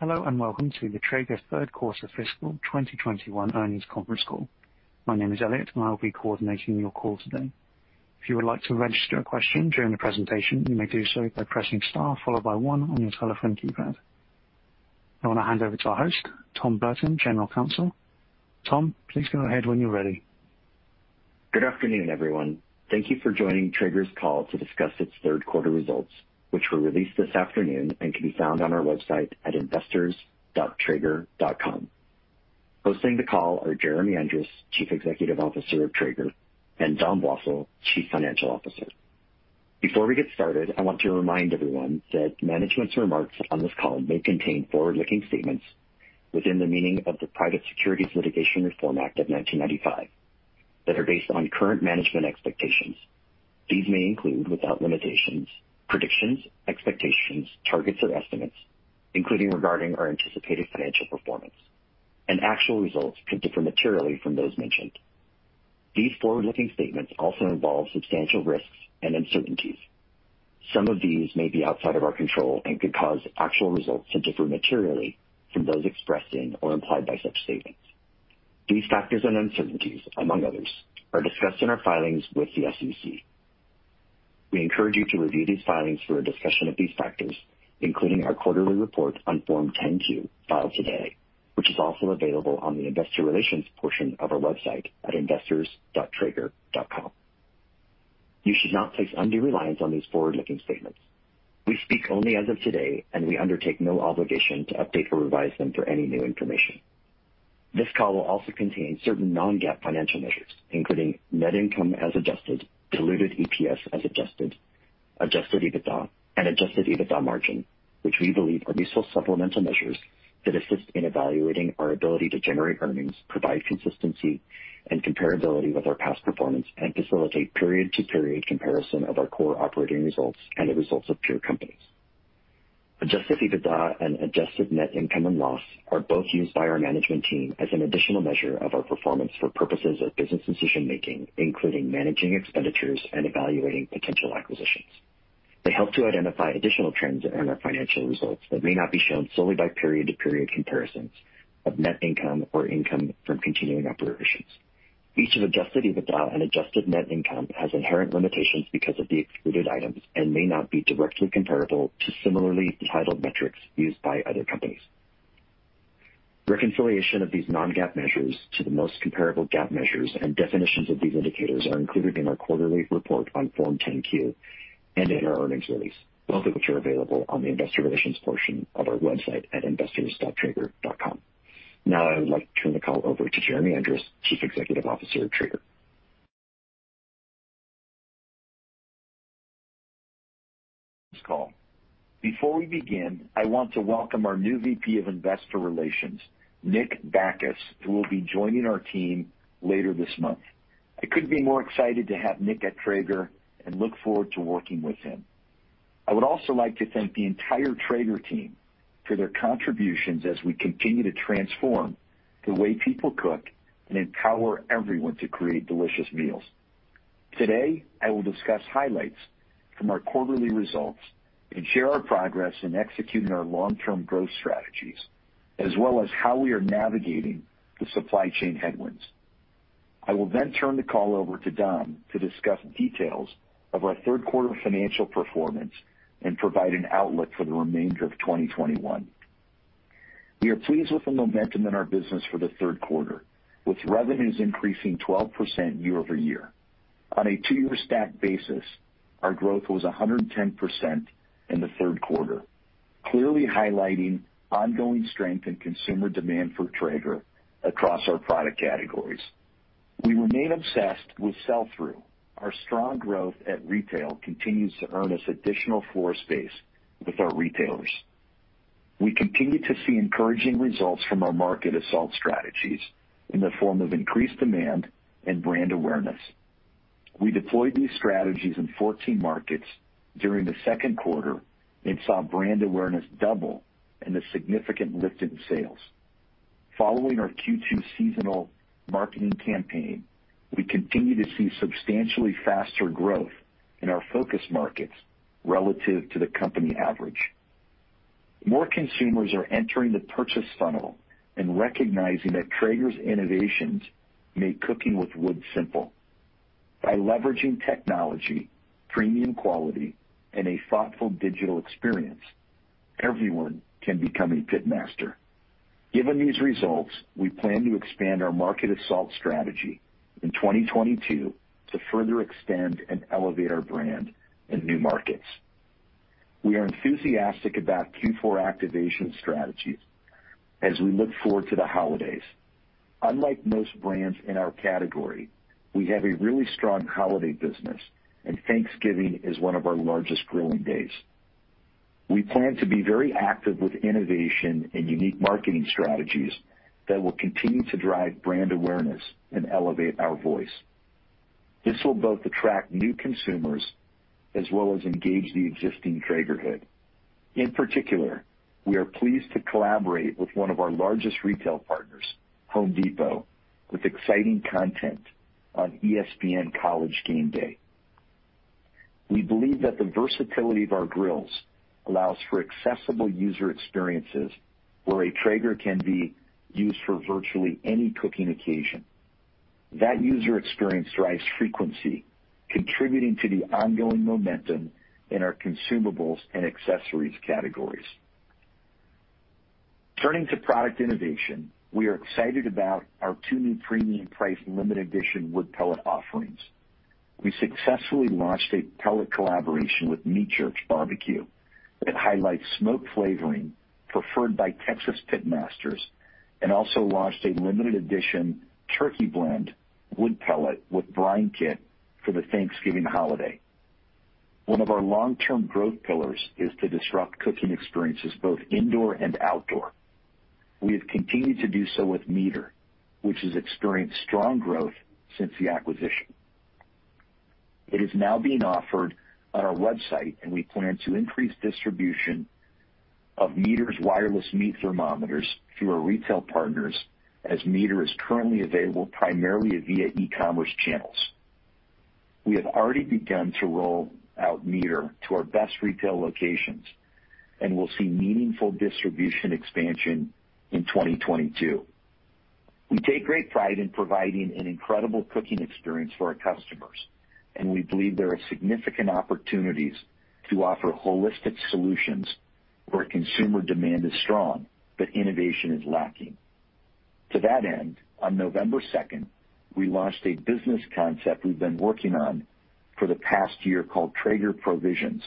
Hello, and welcome to the Traeger third quarter fiscal 2021 earnings conference call. My name is Elliot, and I'll be coordinating your call today. If you would like to register a question during the presentation, you may do so by pressing star followed by one on your telephone keypad. I want to hand over to our host, Tom Burton, General Counsel. Tom, please go ahead when you're ready. Good afternoon, everyone. Thank you for joining Traeger's call to discuss its third quarter results, which were released this afternoon and can be found on our website at investors.traeger.com. Hosting the call are Jeremy Andrus, Chief Executive Officer of Traeger, and Dom Blosil, Chief Financial Officer. Before we get started, I want to remind everyone that management's remarks on this call may contain forward-looking statements within the meaning of the Private Securities Litigation Reform Act of 1995 that are based on current management expectations. These may include, without limitations, predictions, expectations, targets or estimates, including regarding our anticipated financial performance, and actual results could differ materially from those mentioned. These forward-looking statements also involve substantial risks and uncertainties. Some of these may be outside of our control and could cause actual results to differ materially from those expressed in or implied by such statements. These factors and uncertainties, among others, are discussed in our filings with the SEC. We encourage you to review these filings for a discussion of these factors, including our quarterly report on Form 10-Q filed today, which is also available on the investor relations portion of our website at investors.traeger.com. You should not place undue reliance on these forward-looking statements. We speak only as of today, and we undertake no obligation to update or revise them for any new information. This call will also contain certain non-GAAP financial measures, including net income as adjusted, diluted EPS as adjusted EBITDA, and adjusted EBITDA margin, which we believe are useful supplemental measures that assist in evaluating our ability to generate earnings, provide consistency and comparability with our past performance and facilitate period-to-period comparison of our core operating results and the results of pure companies. Adjusted EBITDA and adjusted net income and loss are both used by our management team as an additional measure of our performance for purposes of business decision making, including managing expenditures and evaluating potential acquisitions. They help to identify additional trends in our financial results that may not be shown solely by period-to-period comparisons of net income or income from continuing operations. Each of adjusted EBITDA and adjusted net income has inherent limitations because of the excluded items and may not be directly comparable to similarly titled metrics used by other companies. Reconciliation of these non-GAAP measures to the most comparable GAAP measures and definitions of these indicators are included in our quarterly report on Form 10-Q and in our earnings release, both of which are available on the investor relations portion of our website at investors.traeger.com. Now I would like to turn the call over to Jeremy Andrus, Chief Executive Officer of Traeger. This call. Before we begin, I want to welcome our new VP of Investor Relations, Nick Bacchus, who will be joining our team later this month. I couldn't be more excited to have Nick at Traeger and look forward to working with him. I would also like to thank the entire Traeger team for their contributions as we continue to transform the way people cook and empower everyone to create delicious meals. Today, I will discuss highlights from our quarterly results and share our progress in executing our long-term growth strategies, as well as how we are navigating the supply chain headwinds. I will then turn the call over to Dom to discuss details of our third quarter financial performance and provide an outlook for the remainder of 2021. We are pleased with the momentum in our business for the third quarter, with revenues increasing 12% year-over-year. On a two-year stack basis, our growth was 110% in the third quarter, clearly highlighting ongoing strength in consumer demand for Traeger across our product categories. We remain obsessed with sell-through. Our strong growth at retail continues to earn us additional floor space with our retailers. We continue to see encouraging results from our market assault strategies in the form of increased demand and brand awareness. We deployed these strategies in 14 markets during the second quarter and saw brand awareness double and a significant lift in sales. Following our Q2 seasonal marketing campaign, we continue to see substantially faster growth in our focus markets relative to the company average. More consumers are entering the purchase funnel and recognizing that Traeger's innovations make cooking with wood simple. By leveraging technology, premium quality, and a thoughtful digital experience, everyone can become a pit master. Given these results, we plan to expand our market assault strategy in 2022 to further extend and elevate our brand in new markets. We are enthusiastic about Q4 activation strategies as we look forward to the holidays. Unlike most brands in our category, we have a really strong holiday business, and Thanksgiving is one of our largest grilling days. We plan to be very active with innovation and unique marketing strategies that will continue to drive brand awareness and elevate our voice. This will both attract new consumers as well as engage the existing Traegerhood. In particular, we are pleased to collaborate with one of our largest retail partners, Home Depot, with exciting content on ESPN College GameDay. We believe that the versatility of our grills allows for accessible user experiences where a Traeger can be used for virtually any cooking occasion. That user experience drives frequency, contributing to the ongoing momentum in our Consumables and Accessories categories. Turning to product innovation, we are excited about our two new premium priced limited edition wood pellet offerings. We successfully launched a pellet collaboration with Meat Church Barbecue that highlights smoke flavoring preferred by Texas pit masters, and also launched a limited edition turkey blend wood pellet with brine kit for the Thanksgiving holiday. One of our long-term growth pillars is to disrupt cooking experiences both indoor and outdoor. We have continued to do so with MEATER, which has experienced strong growth since the acquisition. It is now being offered on our website, and we plan to increase distribution of MEATER's wireless meat thermometers through our retail partners, as MEATER is currently available primarily via e-commerce channels. We have already begun to roll out MEATER to our best retail locations, and we'll see meaningful distribution expansion in 2022. We take great pride in providing an incredible cooking experience for our customers, and we believe there are significant opportunities to offer holistic solutions where consumer demand is strong, but innovation is lacking. To that end, on November 2, we launched a business concept we've been working on for the past year called Traeger Provisions.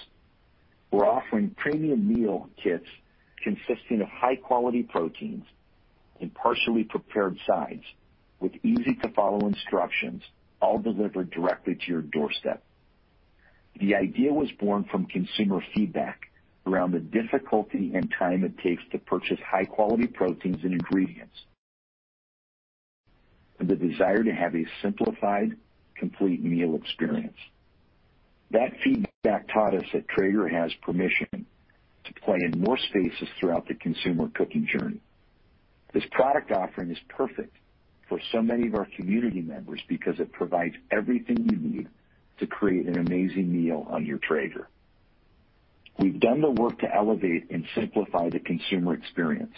We're offering premium meal kits consisting of high-quality proteins and partially prepared sides with easy-to-follow instructions, all delivered directly to your doorstep. The idea was born from consumer feedback around the difficulty and time it takes to purchase high-quality proteins and ingredients, and the desire to have a simplified, complete meal experience. That feedback taught us that Traeger has permission to play in more spaces throughout the consumer cooking journey. This product offering is perfect for so many of our community members because it provides everything you need to create an amazing meal on your Traeger. We've done the work to elevate and simplify the consumer experience.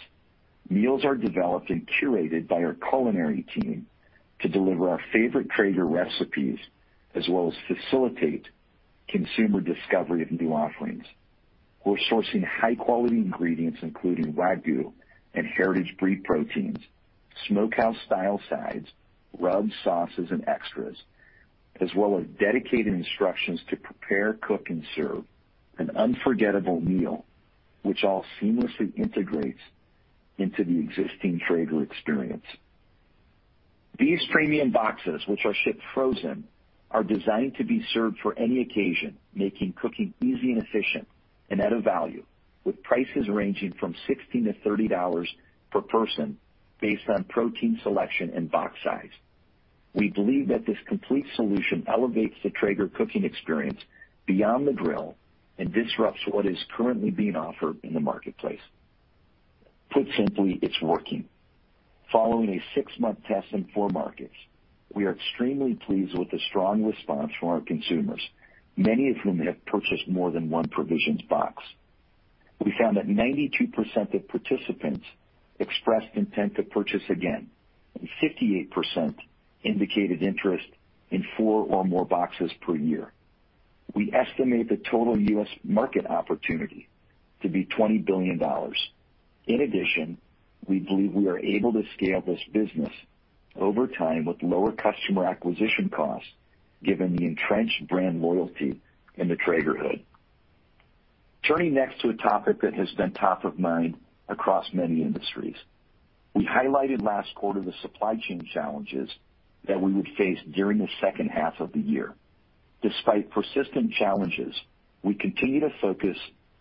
Meals are developed and curated by our culinary team to deliver our favorite Traeger recipes, as well as facilitate consumer discovery of new offerings. We're sourcing high-quality ingredients, including Wagyu and heritage breed proteins, smokehouse style sides, rubs, sauces, and extras, as well as dedicated instructions to prepare, cook, and serve an unforgettable meal, which all seamlessly integrates into the existing Traeger experience. These premium boxes, which are shipped frozen, are designed to be served for any occasion, making cooking easy and efficient and at a value, with prices ranging from $16-$30 per person based on protein selection and box size. We believe that this complete solution elevates the Traeger cooking experience beyond the grill and disrupts what is currently being offered in the marketplace. Put simply, it's working. Following a six month test in four markets, we are extremely pleased with the strong response from our consumers, many of whom have purchased more than one Provisions box. We found that 92% of participants expressed intent to purchase again, and 58% indicated interest in four or more boxes per year. We estimate the total U.S. market opportunity to be $20 billion. In addition, we believe we are able to scale this business over time with lower customer acquisition costs given the entrenched brand loyalty in the Traegerhood. Turning next to a topic that has been top of mind across many industries. We highlighted last quarter the supply chain challenges that we would face during the second half of the year. Despite persistent challenges, we continue to focus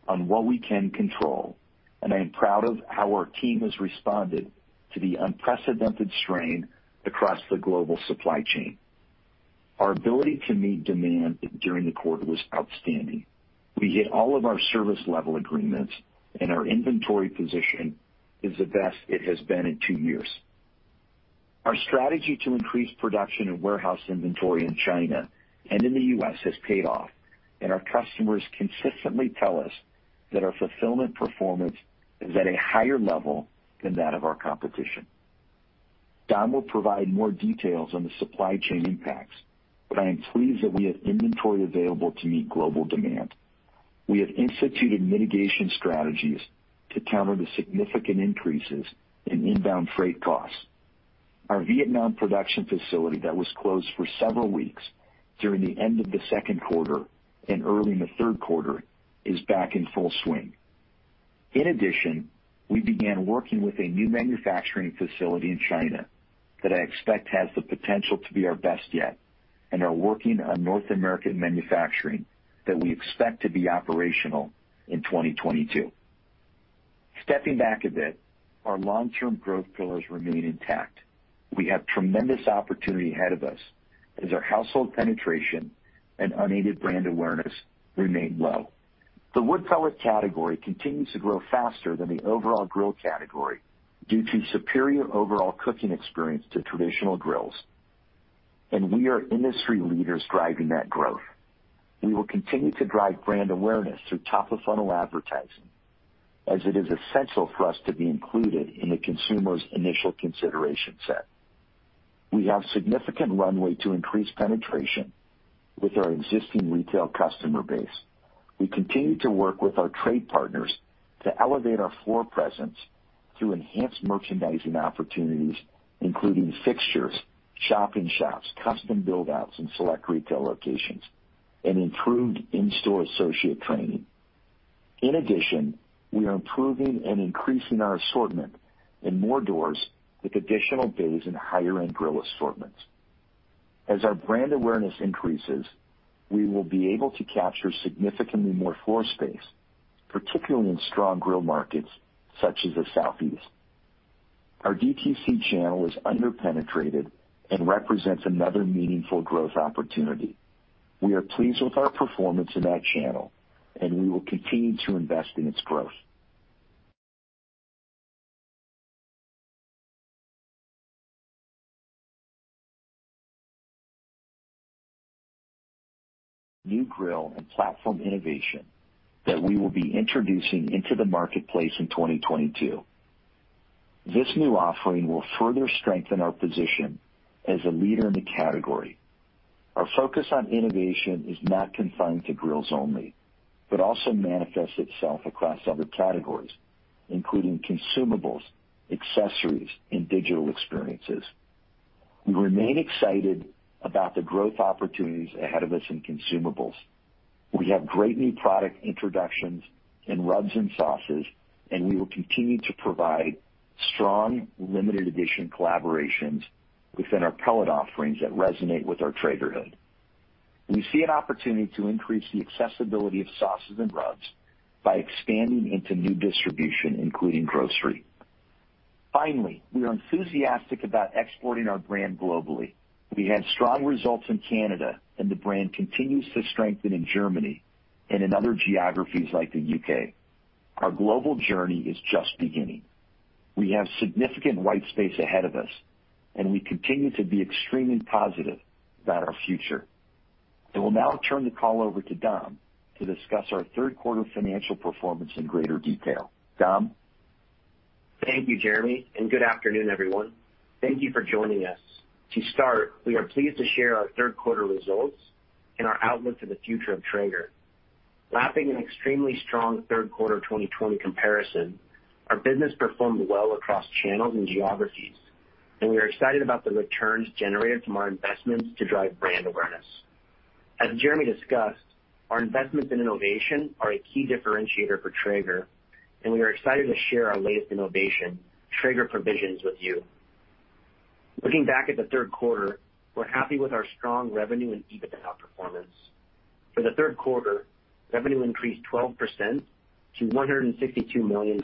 on what we can control, and I am proud of how our team has responded to the unprecedented strain across the global supply chain. Our ability to meet demand during the quarter was outstanding. We hit all of our service level agreements and our inventory position is the best it has been in two years. Our strategy to increase production and warehouse inventory in China and in the U.S. has paid off, and our customers consistently tell us that our fulfillment performance is at a higher level than that of our competition. Dom will provide more details on the supply chain impacts, but I am pleased that we have inventory available to meet global demand. We have instituted mitigation strategies to counter the significant increases in inbound freight costs. Our Vietnam production facility that was closed for several weeks during the end of the second quarter and early in the third quarter is back in full swing. In addition, we began working with a new manufacturing facility in China that I expect has the potential to be our best yet and are working on North American manufacturing that we expect to be operational in 2022. Stepping back a bit, our long-term growth pillars remain intact. We have tremendous opportunity ahead of us as our household penetration and unaided brand awareness remain low. The wood pellet category continues to grow faster than the overall grill category due to superior overall cooking experience to traditional grills, and we are industry leaders driving that growth. We will continue to drive brand awareness through top-of-funnel advertising, as it is essential for us to be included in the consumer's initial consideration set. We have significant runway to increase penetration with our existing retail customer base. We continue to work with our trade partners to elevate our floor presence through enhanced merchandising opportunities, including fixtures, shop in shops, custom build-outs in select retail locations, and improved in-store associate training. In addition, we are improving and increasing our assortment in more doors with additional SKUs and higher-end grill assortments. As our brand awareness increases, we will be able to capture significantly more floor space, particularly in strong grill markets such as the Southeast. Our DTC channel is under-penetrated and represents another meaningful growth opportunity. We are pleased with our performance in that channel, and we will continue to invest in its growth. New grill and platform innovation that we will be introducing into the marketplace in 2022. This new offering will further strengthen our position as a leader in the category. Our focus on innovation is not confined to grills only, but also manifests itself across other categories, including consumables, accessories, and digital experiences. We remain excited about the growth opportunities ahead of us in consumables. We have great new product introductions in rubs and sauces, and we will continue to provide strong limited edition collaborations within our pellet offerings that resonate with our Traegerhood. We see an opportunity to increase the accessibility of sauces and rubs by expanding into new distribution, including grocery. Finally, we are enthusiastic about exporting our brand globally. We had strong results in Canada, and the brand continues to strengthen in Germany and in other geographies like the U.K. Our global journey is just beginning. We have significant white space ahead of us, and we continue to be extremely positive about our future. I will now turn the call over to Dom to discuss our third quarter financial performance in greater detail. Dom? Thank you, Jeremy, and good afternoon, everyone. Thank you for joining us. To start, we are pleased to share our third quarter results and our outlook for the future of Traeger. Lapping an extremely strong third quarter 2020 comparison, our business performed well across channels and geographies, and we are excited about the returns generated from our investments to drive brand awareness. As Jeremy discussed, our investments in innovation are a key differentiator for Traeger, and we are excited to share our latest innovation, Traeger Provisions, with you. Looking back at the third quarter, we're happy with our strong revenue and EBITDA performance. For the third quarter, revenue increased 12% to $162 million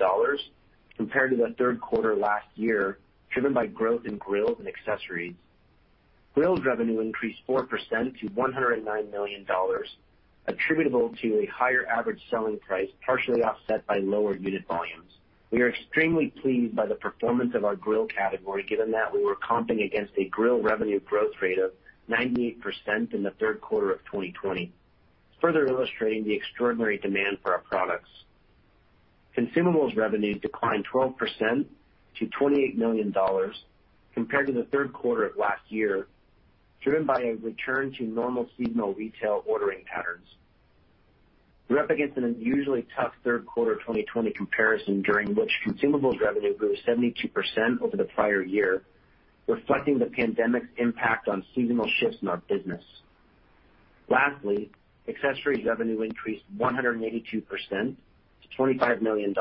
compared to the third quarter last year, driven by growth in Grills and Accessories. Grills revenue increased 4% to $109 million, attributable to a higher average selling price, partially offset by lower unit volumes. We are extremely pleased by the performance of our Grill category, given that we were comping against a Grill revenue growth rate of 98% in the third quarter of 2020, further illustrating the extraordinary demand for our products. Consumables revenue declined 12% to $28 million compared to the third quarter of last year, driven by a return to normal seasonal retail ordering patterns. We're up against an unusually tough third quarter 2020 comparison, during which Consumables revenue grew 72% over the prior year, reflecting the pandemic's impact on seasonal shifts in our business. Lastly, accessories revenue increased 182% to $25 million,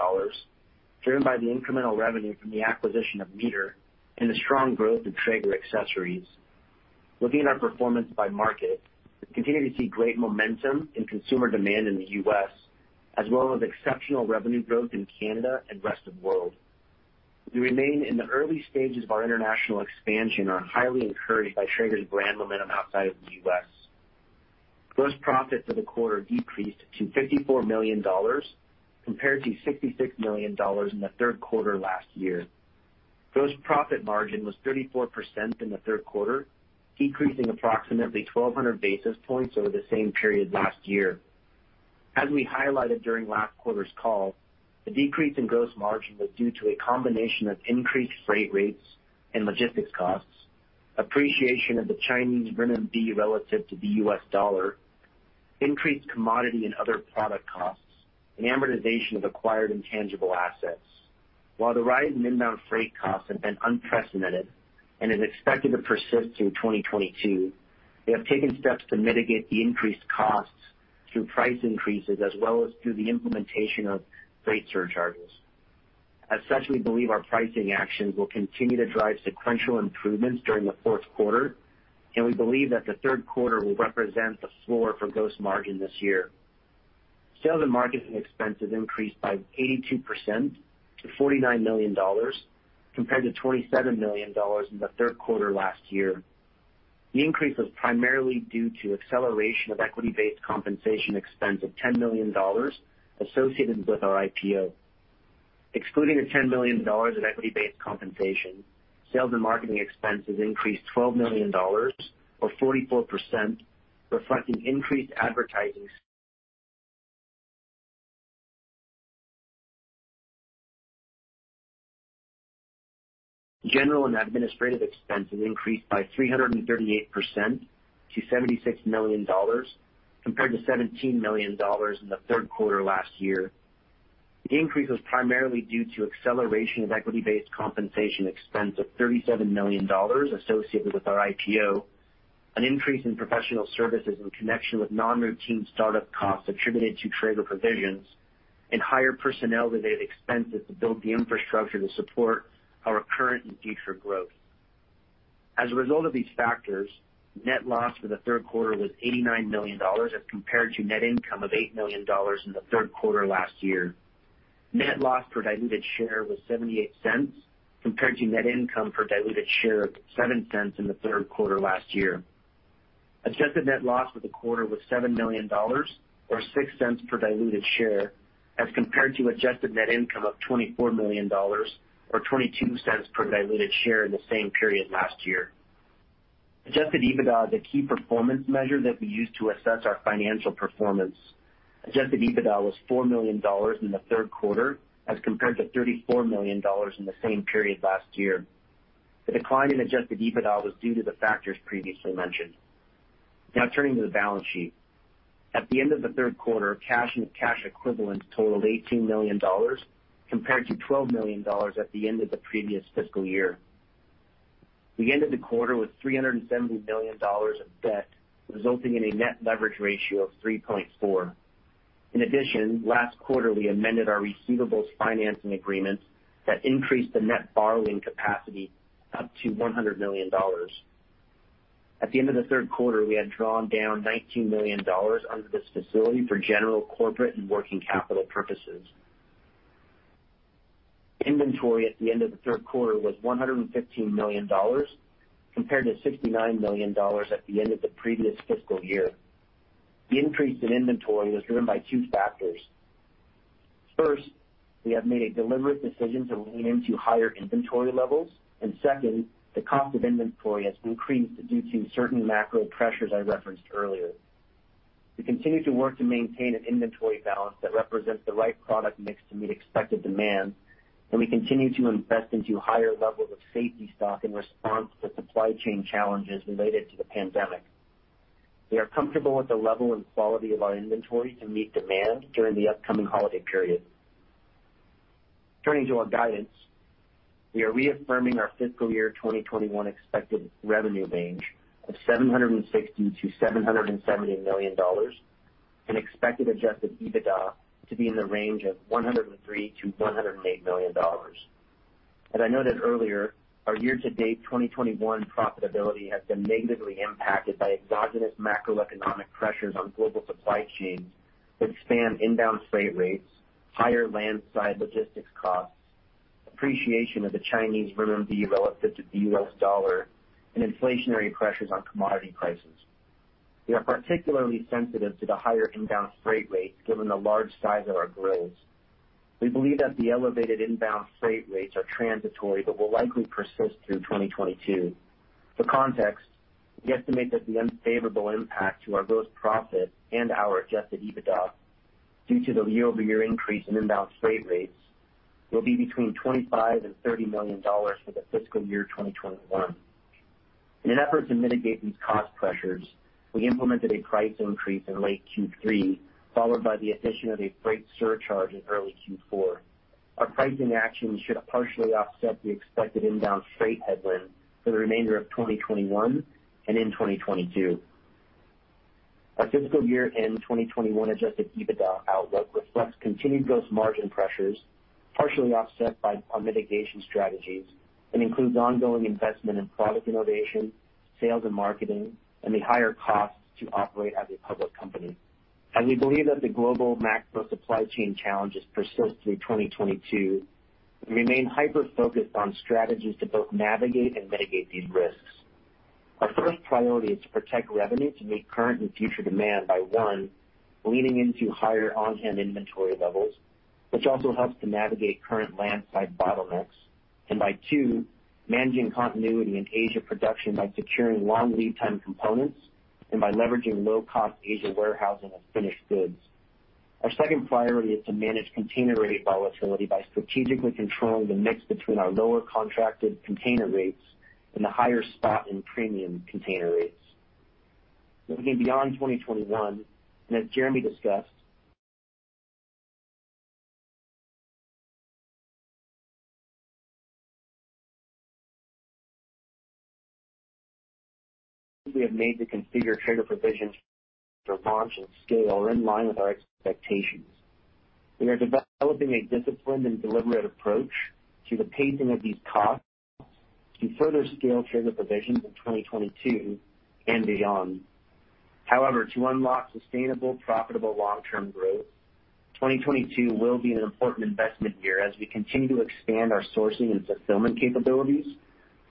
driven by the incremental revenue from the acquisition of MEATER and the strong growth of Traeger accessories. Looking at our performance by market, we continue to see great momentum in consumer demand in the U.S., as well as exceptional revenue growth in Canada and rest of world. We remain in the early stages of our international expansion and are highly encouraged by Traeger's brand momentum outside of the U.S. Gross profit for the quarter decreased to $54 million compared to $66 million in the third quarter last year. Gross profit margin was 34% in the third quarter, decreasing approximately 1,200 basis points over the same period last year. As we highlighted during last quarter's call, the decrease in gross margin was due to a combination of increased freight rates and logistics costs, appreciation of the Chinese renminbi relative to the U.S. dollar, increased commodity and other product costs, and amortization of acquired intangible assets. While the rise in inbound freight costs have been unprecedented and is expected to persist through 2022, we have taken steps to mitigate the increased costs through price increases as well as through the implementation of freight surcharges. As such, we believe our pricing actions will continue to drive sequential improvements during the fourth quarter, and we believe that the third quarter will represent the floor for gross margin this year. Sales and marketing expenses increased by 82% to $49 million compared to $27 million in the third quarter last year. The increase was primarily due to acceleration of equity-based compensation expense of $10 million associated with our IPO, an increase in professional services in connection with non-routine start-up costs attributed to Traeger Provisions, and higher personnel-related expenses to build the infrastructure to support our current and future growth. As a result of these factors, net loss for the third quarter was $89 million as compared to net income of $8 million in the third quarter last year. Net loss per diluted share was $0.78 compared to net income per diluted share of $0.07 in the third quarter last year. Adjusted net loss for the quarter was $7 million or $0.06 per diluted share as compared to adjusted net income of $24 million or $0.22 per diluted share in the same period last year. Adjusted EBITDA is a key performance measure that we use to assess our financial performance. Adjusted EBITDA was $4 million in the third quarter as compared to $34 million in the same period last year. The decline in Adjusted EBITDA was due to the factors previously mentioned. Now turning to the balance sheet. At the end of the third quarter, cash and cash equivalents totaled $18 million compared to $12 million at the end of the previous fiscal year. We ended the quarter with $370 million of debt, resulting in a net leverage ratio of 3.4. In addition, last quarter, we amended our receivables financing agreements that increased the net borrowing capacity up to $100 million. At the end of the third quarter, we had drawn down $19 million under this facility for general corporate and working capital purposes. Inventory at the end of the third quarter was $115 million compared to $69 million at the end of the previous fiscal year. The increase in inventory was driven by two factors. First, we have made a deliberate decision to lean into higher inventory levels. Second, the cost of inventory has increased due to certain macro pressures I referenced earlier. We continue to work to maintain an inventory balance that represents the right product mix to meet expected demand, and we continue to invest into higher levels of safety stock in response to supply chain challenges related to the pandemic. We are comfortable with the level and quality of our inventory to meet demand during the upcoming holiday period. Turning to our guidance. We are reaffirming our fiscal year 2021 expected revenue range of $760 million-$770 million and expected adjusted EBITDA to be in the range of $103 million-$108 million. As I noted earlier, our year-to-date 2021 profitability has been negatively impacted by exogenous macroeconomic pressures on global supply chains that span inbound freight rates, higher landside logistics costs, appreciation of the Chinese renminbi relative to the U.S. dollar, and inflationary pressures on commodity prices. We are particularly sensitive to the higher inbound freight rates given the large size of our grills. We believe that the elevated inbound freight rates are transitory but will likely persist through 2022. For context, we estimate that the unfavorable impact to our gross profit and our adjusted EBITDA due to the year-over-year increase in inbound freight rates will be between $25 million and $30 million for the fiscal year 2021. In an effort to mitigate these cost pressures, we implemented a price increase in late Q3, followed by the addition of a freight surcharge in early Q4. Our pricing actions should partially offset the expected inbound freight headwind for the remainder of 2021 and in 2022. Our fiscal year-end 2021 adjusted EBITDA outlook reflects continued gross margin pressures, partially offset by our mitigation strategies, and includes ongoing investment in product innovation, sales and marketing, and the higher costs to operate as a public company. We believe that the global macro supply chain challenges persist through 2022. We remain hyper-focused on strategies to both navigate and mitigate these risks. Our first priority is to protect revenue to meet current and future demand by, one, leaning into higher on-hand inventory levels, which also helps to navigate current landside bottlenecks, and by, two, managing continuity in Asia production by securing long lead time components and by leveraging low-cost Asia warehousing of finished goods. Our second priority is to manage container rate volatility by strategically controlling the mix between our lower contracted container rates and the higher spot and premium container rates. Now looking beyond 2021, and as Jeremy discussed, we have made the configurations for Traeger Provisions' launch and scale, are in line with our expectations. We are developing a disciplined and deliberate approach to the pacing of these costs to further scale Traeger Provisions in 2022 and beyond. However, to unlock sustainable, profitable long-term growth, 2022 will be an important investment year as we continue to expand our sourcing and fulfillment capabilities,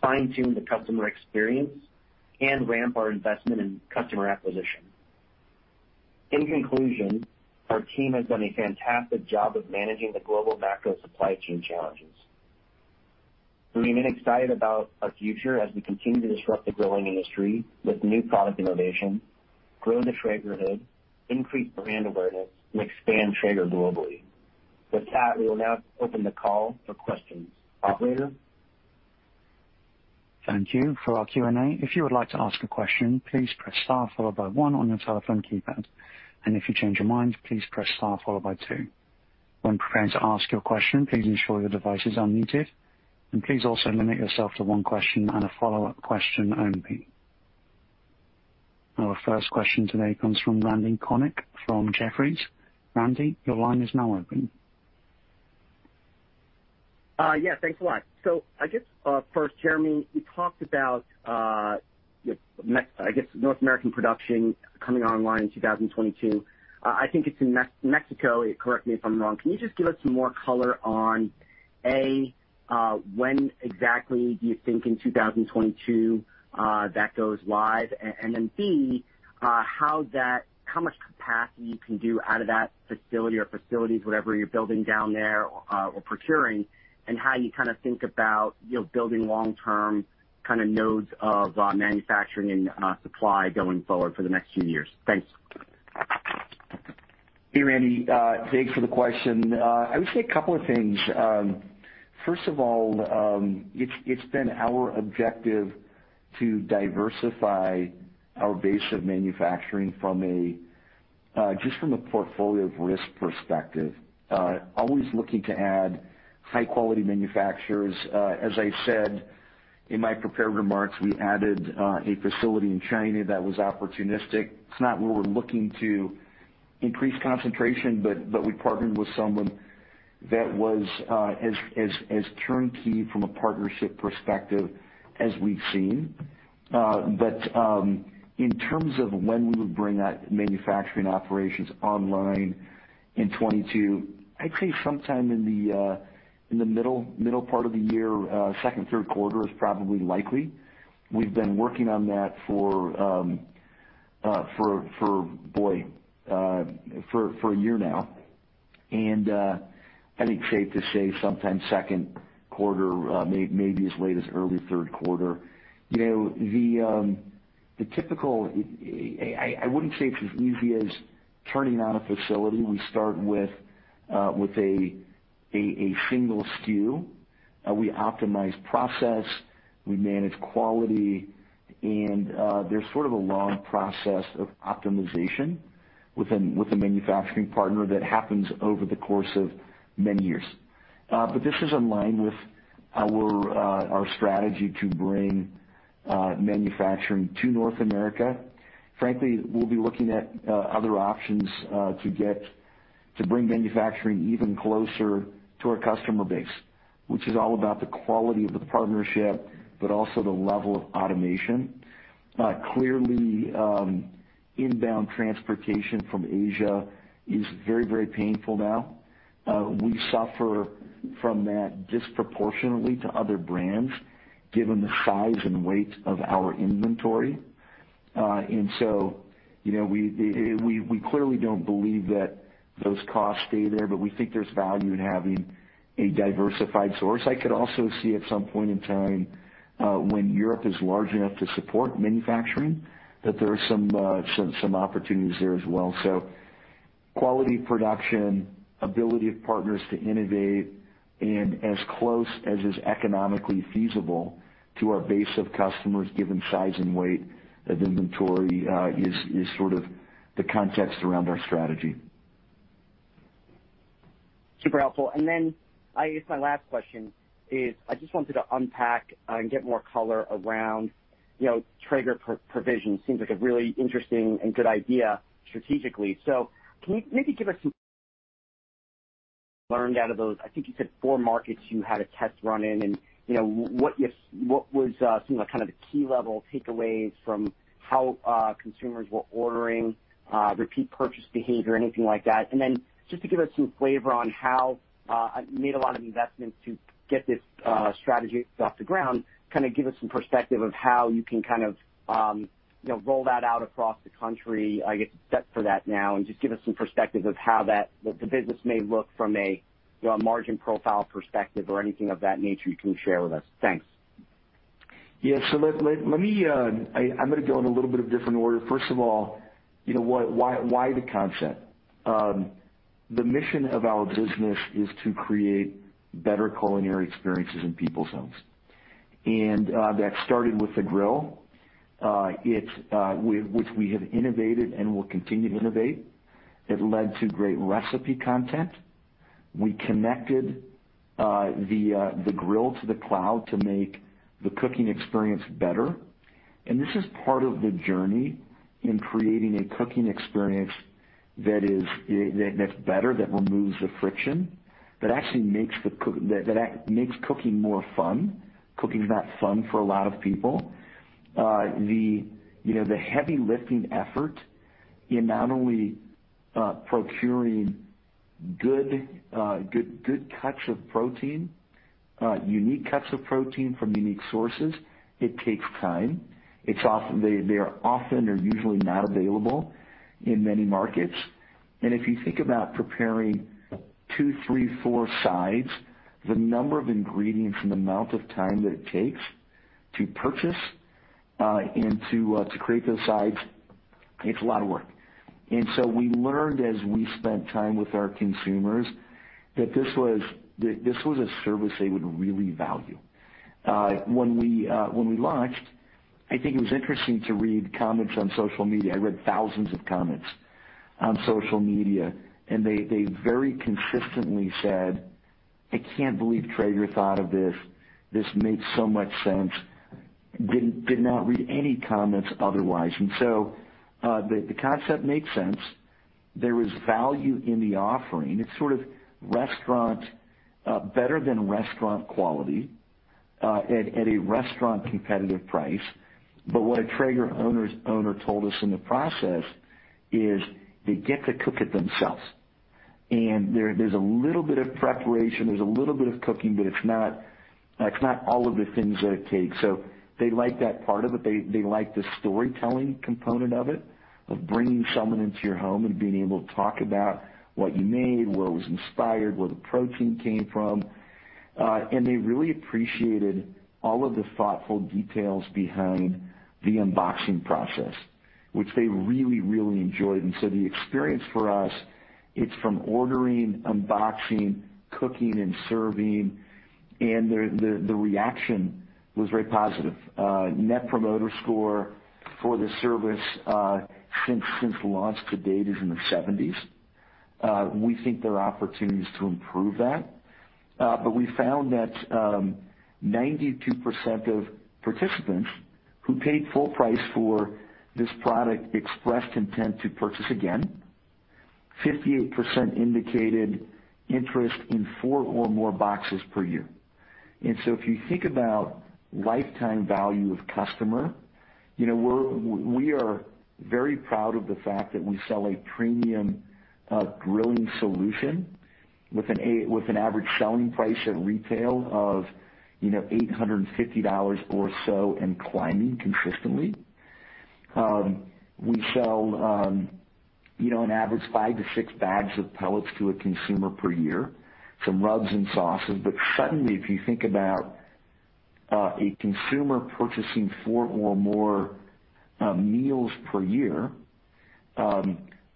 fine-tune the customer experience, and ramp our investment in customer acquisition. In conclusion, our team has done a fantastic job of managing the global macro supply chain challenges. We remain excited about our future as we continue to disrupt the growing industry with new product innovation, grow the Traegerhood, increase brand awareness, and expand Traeger globally. With that, we will now open the call for questions. Operator? Thank you. For our Q&A, if you would like to ask a question, please press star followed by one on your telephone keypad. If you change your mind, please press star followed by two. When preparing to ask your question, please ensure your device is unmuted, and please also limit yourself to one question and a follow-up question only. Our first question today comes from Randy Konik from Jefferies. Randy, your line is now open. Yeah, thanks a lot. I guess first, Jeremy, you talked about North American production coming online in 2022. I think it's in Mexico, correct me if I'm wrong. Can you just give us some more color on A, when exactly do you think in 2022 that goes live? And then B, how much capacity you can do out of that facility or facilities, whatever you're building down there or procuring, and how you kinda think about, you know, building long-term kinda nodes of manufacturing and supply going forward for the next few years? Thanks. Hey, Randy, thanks for the question. I would say a couple of things. First of all, it's been our objective to diversify our base of manufacturing from just a portfolio of risk perspective. Always looking to add high-quality manufacturers. As I said in my prepared remarks, we added a facility in China that was opportunistic. It's not where we're looking to increase concentration, but we partnered with someone that was as turnkey from a partnership perspective as we've seen. In terms of when we would bring that manufacturing operations online in 2022, I'd say sometime in the middle part of the year, second, third quarter is probably likely. We've been working on that for about a year now. I think it's safe to say sometime second quarter, maybe as late as early third quarter. I wouldn't say it's as easy as turning on a facility. We start with a single SKU. We optimize process, we manage quality, and there's sort of a long process of optimization with a manufacturing partner that happens over the course of many years. This is in line with our strategy to bring manufacturing to North America. Frankly, we'll be looking at other options to get to bring manufacturing even closer to our customer base, which is all about the quality of the partnership, but also the level of automation. Clearly, inbound transportation from Asia is very, very painful now. We suffer from that disproportionately to other brands given the size and weight of our inventory. You know, we clearly don't believe that those costs stay there, but we think there's value in having a diversified source. I could also see at some point in time, when Europe is large enough to support manufacturing, that there are some opportunities there as well. Quality production, ability of partners to innovate, and as close as is economically feasible to our base of customers, given size and weight of inventory, is sort of the context around our strategy. Super helpful. I guess my last question is, I just wanted to unpack and get more color around, you know, Traeger Provisions. Seems like a really interesting and good idea strategically. Can you maybe give us some learnings out of those, I think you said four markets you had a test run in and, you know, what was some of, kind of the key level takeaways from how consumers were ordering, repeat purchase behavior, anything like that? Just to give us some flavor on how you made a lot of investments to get this strategy off the ground. Kinda give us some perspective of how you can kind of, you know, roll that out across the country, I guess, set for that now. Just give us some perspective of how that, the business may look from a, you know, a margin profile perspective or anything of that nature you can share with us. Thanks. Let me go in a little bit of a different order. First of all, you know, why the concept? The mission of our business is to create better culinary experiences in people's homes. That started with the grill, which we have innovated and will continue to innovate. It led to great recipe content. We connected the grill to the cloud to make the cooking experience better. This is part of the journey in creating a cooking experience that is better, that removes the friction, that actually makes cooking more fun. Cooking is not fun for a lot of people. You know, the heavy lifting effort in not only procuring good cuts of protein, unique cuts of protein from unique sources, it takes time. It's often they are often or usually not available in many markets. If you think about preparing two, three, four sides, the number of ingredients and the amount of time that it takes to purchase and to create those sides, it's a lot of work. We learned as we spent time with our consumers that this was a service they would really value. When we launched, I think it was interesting to read comments on social media. I read thousands of comments on social media, and they very consistently said, "I can't believe Traeger thought of this. This makes so much sense." Did not read any comments otherwise. The concept makes sense. There is value in the offering. It's sort of restaurant better than restaurant quality at a restaurant competitive price. What a Traeger owner told us in the process is they get to cook it themselves. There's a little bit of preparation, there's a little bit of cooking, but it's not all of the things that it takes. They like that part of it. They like the storytelling component of it, of bringing someone into your home and being able to talk about what you made, what was inspired, where the protein came from. They really appreciated all of the thoughtful details behind the unboxing process, which they really enjoyed. The experience for us, it's from ordering, unboxing, cooking and serving, and the reaction was very positive. Net promoter score for the service, since launch to date is in the 70s. We think there are opportunities to improve that. But we found that, 92% of participants who paid full price for this product expressed intent to purchase again. 58% indicated interest in four or more boxes per year. If you think about lifetime value of customer, you know, we are very proud of the fact that we sell a premium grilling solution with an average selling price at retail of, you know, $850 or so and climbing consistently. We sell, you know, on average five-six bags of pellets to a consumer per year, some rubs and sauces. Suddenly, if you think about a consumer purchasing four or more meals per year, at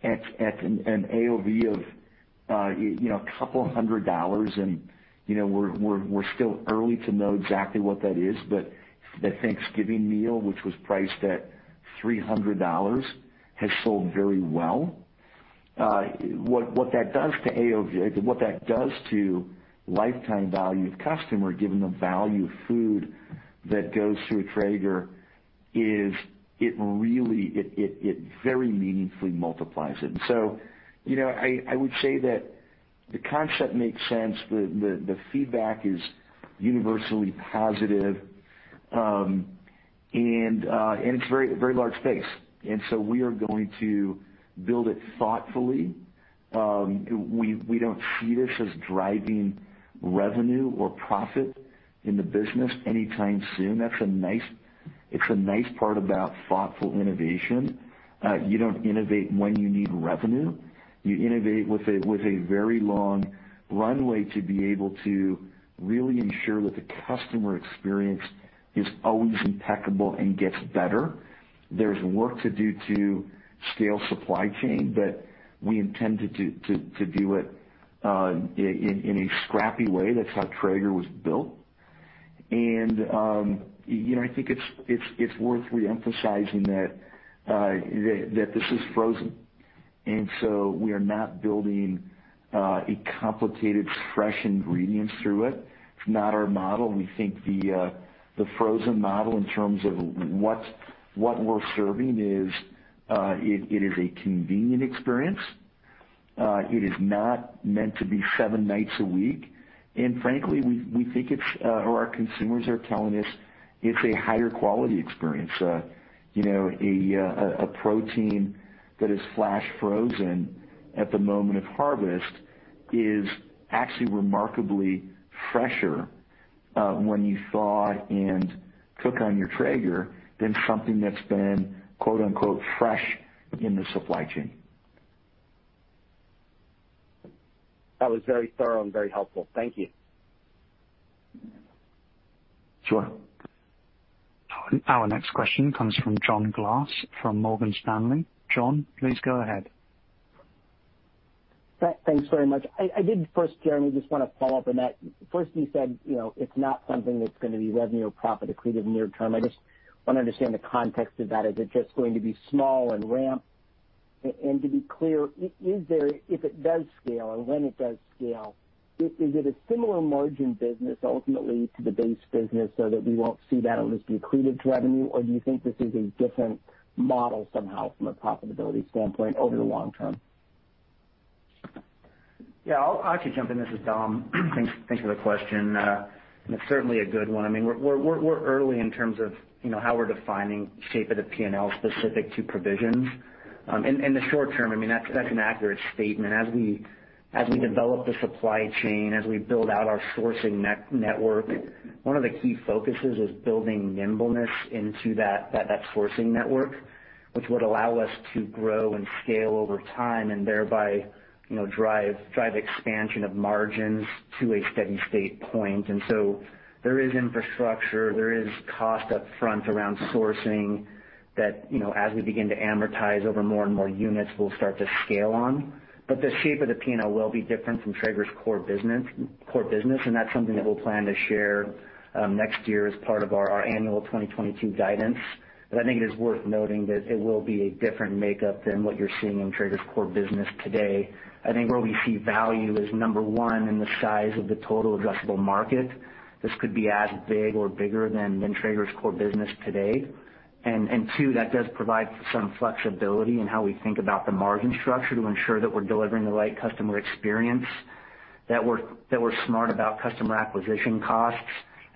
an AOV of, you know, a couple hundred dollars, and, you know, we're still early to know exactly what that is, but the Thanksgiving meal, which was priced at $300, has sold very well. What that does to AOV, what that does to lifetime value of customer, given the value of food that goes through a Traeger, is it really very meaningfully multiplies it. You know, I would say that the concept makes sense. The feedback is universally positive. It's a very large space, so we are going to build it thoughtfully. We don't see this as driving revenue or profit in the business anytime soon. It's a nice part about thoughtful innovation. You don't innovate when you need revenue. You innovate with a very long runway to be able to really ensure that the customer experience is always impeccable and gets better. There's work to do to scale supply chain, but we intend to do it in a scrappy way. That's how Traeger was built. You know, I think it's worth re-emphasizing that this is frozen. We are not building a complicated fresh ingredients through it. It's not our model. We think the frozen model in terms of what we're serving is a convenient experience. It is not meant to be seven nights a week. Frankly, we think it's or our consumers are telling us it's a higher quality experience. You know, a protein that is flash frozen at the moment of harvest is actually remarkably fresher when you thaw and cook on your Traeger than something that's been, quote-unquote, "fresh" in the supply chain. That was very thorough and very helpful. Thank you. Sure. Our next question comes from John Glass from Morgan Stanley. John, please go ahead. Thanks very much. I just first, Jeremy, want to follow up on that. First, you said, you know, it's not something that's going to be revenue or profit accretive near term. I just want to understand the context of that. Is it just going to be small and ramp? To be clear, if it does scale or when it does scale, is it a similar margin business ultimately to the base business so that we will see that it is accretive to revenue? Or do you think this is a different model somehow from a profitability standpoint over the long term? Yeah, I'll actually jump in. This is Dom. Thanks for the question. It's certainly a good one. I mean, we're early in terms of, you know, how we're defining shape of the P&L specific to provisions. In the short term, I mean, that's an accurate statement. As we develop the supply chain, as we build out our sourcing network, one of the key focuses is building nimbleness into that sourcing network, which would allow us to grow and scale over time and thereby, you know, drive expansion of margins to a steady-state point. There is infrastructure, there is cost up front around sourcing that, you know, as we begin to amortize over more and more units, we'll start to scale on. The shape of the P&L will be different from Traeger's core business, and that's something that we'll plan to share next year as part of our annual 2022 guidance. I think it is worth noting that it will be a different makeup than what you're seeing in Traeger's core business today. I think where we see value is, number one, in the size of the total addressable market. This could be as big or bigger than Traeger's core business today. Two, that does provide some flexibility in how we think about the margin structure to ensure that we're delivering the right customer experience, that we're smart about customer acquisition costs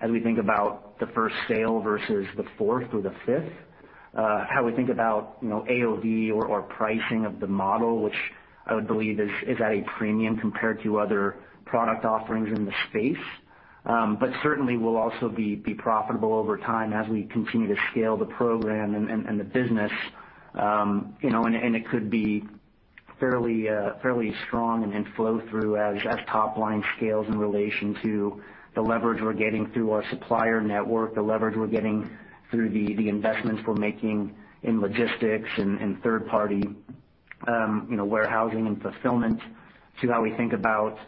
as we think about the first sale versus the fourth or the fifth, how we think about, you know, AOV or pricing of the model, which I would believe is at a premium compared to other product offerings in the space. But certainly we'll also be profitable over time as we continue to scale the program and the business. You know, it could be fairly strong and flow through as top line scales in relation to the leverage we're getting through our supplier network, the leverage we're getting through the investments we're making in logistics and third party, you know, warehousing and fulfillment to how we think about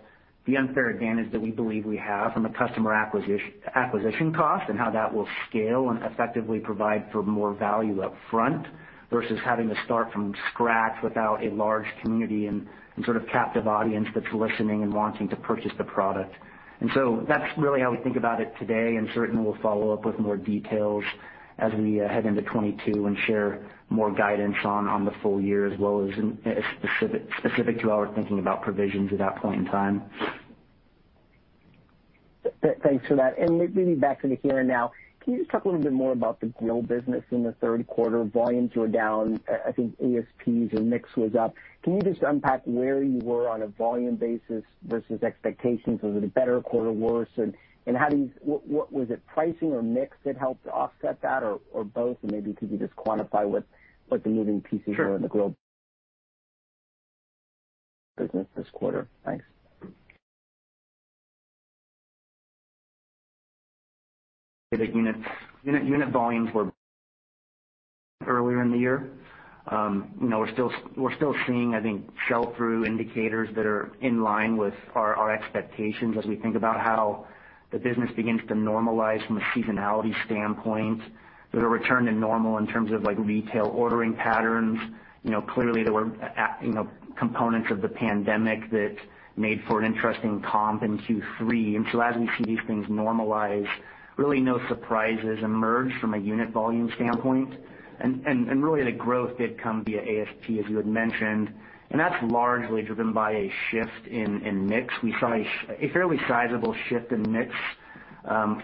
the unfair advantage that we believe we have from a customer acquisition cost and how that will scale and effectively provide for more value up front versus having to start from scratch without a large community and sort of captive audience that's listening and wanting to purchase the product. That's really how we think about it today. Certainly we'll follow up with more details as we head into 2022 and share more guidance on the full year as well as specific to our thinking about provisions at that point in time. Thanks. Maybe back to the here and now. Can you just talk a little bit more about the grill business in the third quarter? Volumes were down. I think ASPs or mix was up. Can you just unpack where you were on a volume basis versus expectations? Was it a better quarter, worse? What was it pricing or mix that helped offset that or both? Maybe could you just quantify what the moving pieces were in the grill business this quarter? Thanks. Unit volumes were earlier in the year. You know, we're still seeing, I think, sell-through indicators that are in line with our expectations as we think about how the business begins to normalize from a seasonality standpoint with a return to normal in terms of like retail ordering patterns. You know, clearly there were components of the pandemic that made for an interesting comp in Q3. As we see these things normalize, really no surprises emerge from a unit volume standpoint. Really the growth did come via ASP, as you had mentioned, and that's largely driven by a shift in mix. We saw a fairly sizable shift in mix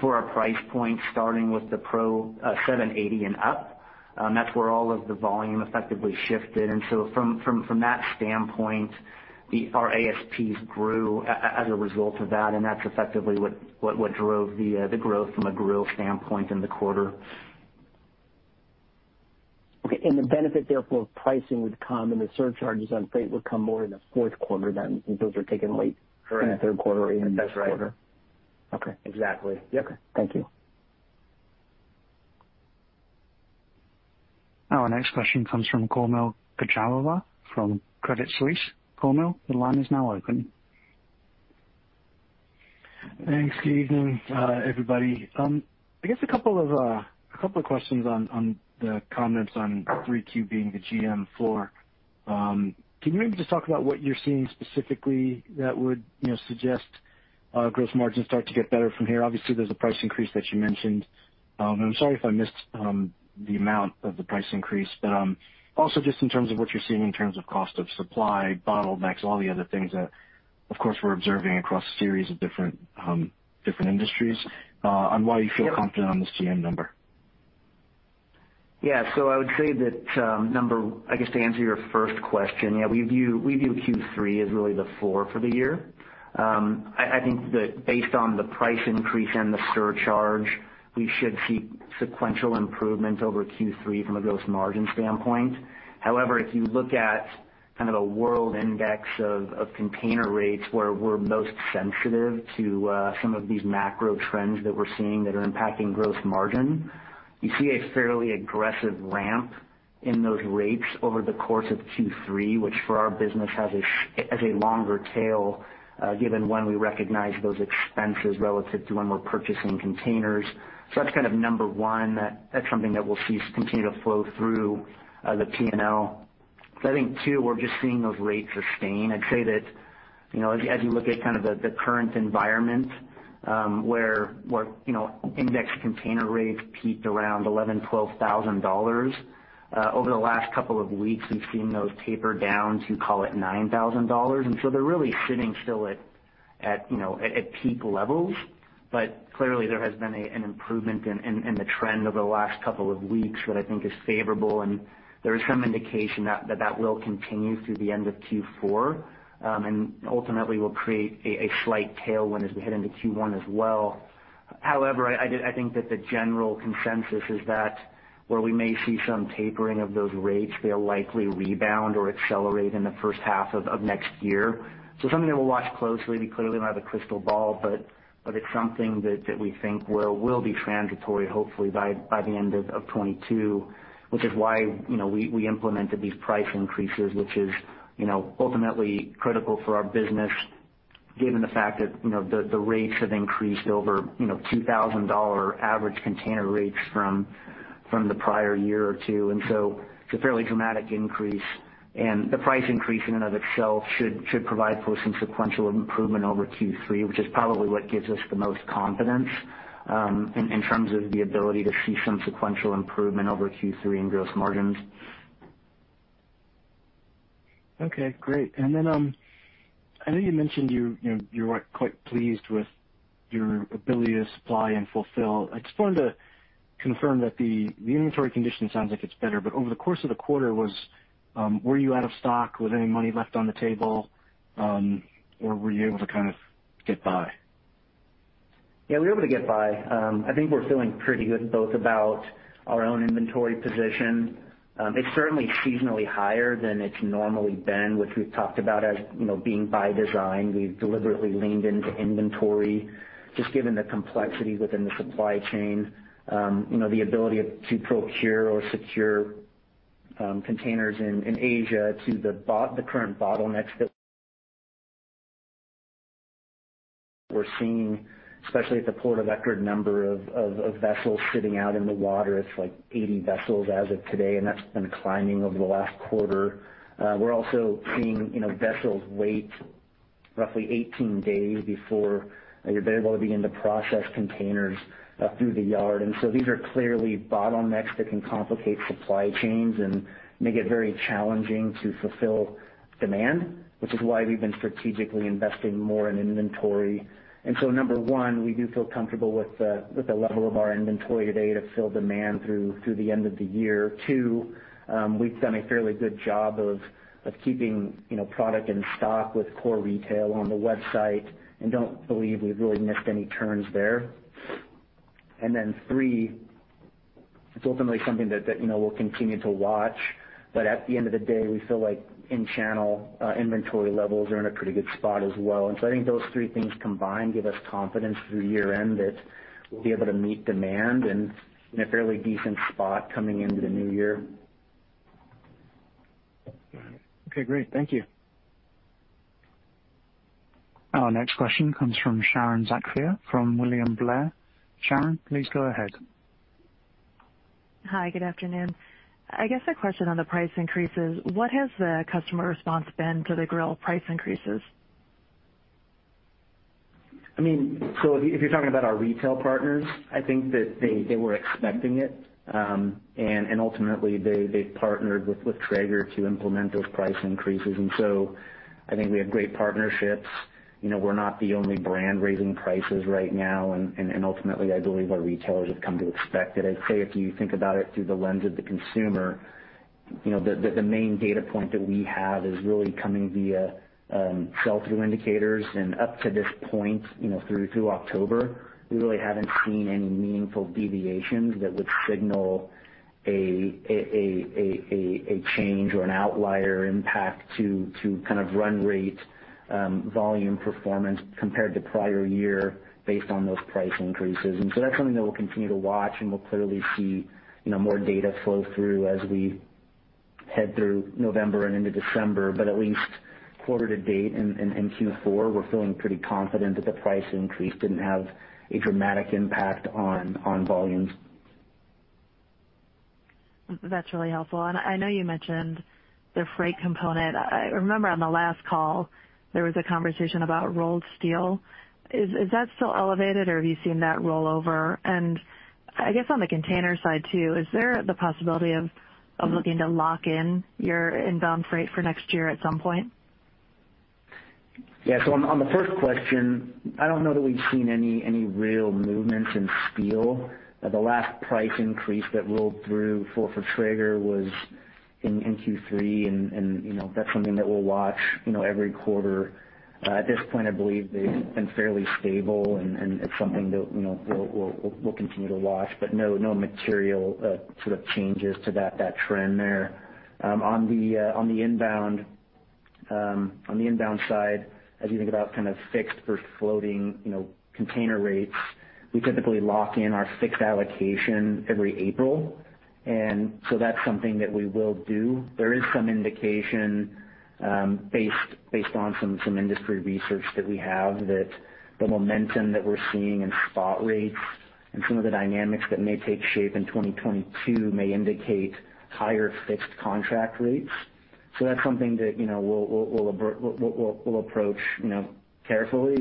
for our price point, starting with the Pro seven eighty and up. That's where all of the volume effectively shifted. From that standpoint, our ASPs grew as a result of that, and that's effectively what drove the growth from a grill standpoint in the quarter. Okay. The benefit therefore of pricing would come and the surcharges on freight would come more in the fourth quarter than if those are taking late. Correct. in the third quarter or even this quarter. That's right. Okay. Exactly. Yep. Okay. Thank you. Our next question comes from Kaumil Gajrawala from Credit Suisse. Kaumil, the line is now open. Thanks. Good evening, everybody. I guess a couple of questions on the comments on 3Q being the GM floor. Can you maybe just talk about what you're seeing specifically that would, you know, suggest gross margins start to get better from here? Obviously, there's a price increase that you mentioned. I'm sorry if I missed the amount of the price increase, but also just in terms of what you're seeing in terms of cost of supply, bottlenecks, all the other things that, of course, we're observing across a series of different different industries, on why you feel confident on this GM number. Yeah. I would say that, I guess to answer your first question, yeah, we view Q3 as really the floor for the year. I think that based on the price increase and the surcharge, we should see sequential improvements over Q3 from a gross margin standpoint. However, if you look at kind of a world index of container rates, where we're most sensitive to some of these macro trends that we're seeing that are impacting gross margin, you see a fairly aggressive ramp in those rates over the course of Q3, which for our business has a longer tail, given when we recognize those expenses relative to when we're purchasing containers. That's kind of number one. That's something that we'll see continue to flow through the P&L. I think, too, we're just seeing those rates sustain. I'd say that as you look at the current environment, where index container rates peaked around $11,000-$12,000. Over the last couple of weeks, we've seen those taper down to, call it, $9,000. They're really sitting still at peak levels. Clearly there has been an improvement in the trend over the last couple of weeks that I think is favorable, and there is some indication that will continue through the end of Q4, and ultimately will create a slight tailwind as we head into Q1 as well. However, I think that the general consensus is that where we may see some tapering of those rates, they'll likely rebound or accelerate in the first half of next year. Something that we'll watch closely, we clearly don't have a crystal ball, but it's something that we think will be transitory, hopefully by the end of 2022, which is why, you know, we implemented these price increases, which is, you know, ultimately critical for our business given the fact that, you know, the rates have increased over $2,000 average container rates from the prior year or two. It's a fairly dramatic increase, and the price increase in and of itself should provide for some sequential improvement over Q3, which is probably what gives us the most confidence in terms of the ability to see some sequential improvement over Q3 in gross margins. Okay, great. I know you mentioned you're, you know, you are quite pleased with your ability to supply and fulfill. I just wanted to confirm that the inventory condition sounds like it's better, but over the course of the quarter were you out of stock? Was any money left on the table, or were you able to kind of get by? Yeah, we were able to get by. I think we're feeling pretty good both about our own inventory position. It's certainly seasonally higher than it's normally been, which we've talked about as, you know, being by design. We've deliberately leaned into inventory just given the complexity within the supply chain, you know, the ability to procure or secure containers in Asia to the current bottlenecks that we're seeing, especially at the Port of Oakland number of vessels sitting out in the water. It's like 80 vessels as of today, and that's been climbing over the last quarter. We're also seeing, you know, vessels wait roughly 18 days before you're able to begin to process containers through the yard. These are clearly bottlenecks that can complicate supply chains and make it very challenging to fulfill demand, which is why we've been strategically investing more in inventory. Number one, we do feel comfortable with the level of our inventory today to fill demand through the end of the year. Two, we've done a fairly good job of keeping, you know, product in stock with core retail on the website and don't believe we've really missed any turns there. Three, it's ultimately something that, you know, we'll continue to watch, but at the end of the day, we feel like in channel inventory levels are in a pretty good spot as well. I think those three things combined give us confidence through year end that we'll be able to meet demand and in a fairly decent spot coming into the new year. Okay, great. Thank you. Our next question comes from Sharon Zackfia from William Blair. Sharon, please go ahead. Hi, good afternoon. I guess a question on the price increases. What has the customer response been to the Grill price increases? I mean, if you're talking about our retail partners, I think that they were expecting it. Ultimately they partnered with Traeger to implement those price increases. I think we have great partnerships. You know, we're not the only brand raising prices right now. Ultimately I believe our retailers have come to expect it. I'd say if you think about it through the lens of the consumer, you know, the main data point that we have is really coming via sell-through indicators. Up to this point, you know, through to October, we really haven't seen any meaningful deviations that would signal a change or an outlier impact to kind of run rate volume performance compared to prior year based on those price increases. That's something that we'll continue to watch, and we'll clearly see, you know, more data flow through as we head through November and into December. At least quarter to date in Q4, we're feeling pretty confident that the price increase didn't have a dramatic impact on volumes. That's really helpful. I know you mentioned the freight component. I remember on the last call there was a conversation about rolled steel. Is that still elevated or have you seen that roll over? I guess on the container side too, is there the possibility of looking to lock in your inbound freight for next year at some point? On the first question, I don't know that we've seen any real movements in steel. The last price increase that rolled through for Traeger was in Q3. You know, that's something that we'll watch every quarter. At this point, I believe they've been fairly stable and it's something that you know, we'll continue to watch, but no material sort of changes to that trend there. On the inbound side, as you think about kind of fixed versus floating you know, container rates, we typically lock in our fixed allocation every April, and so that's something that we will do. There is some indication, based on some industry research that we have, that the momentum that we're seeing in spot rates and some of the dynamics that may take shape in 2022 may indicate higher fixed contract rates. That's something that, you know, we'll approach, you know, carefully.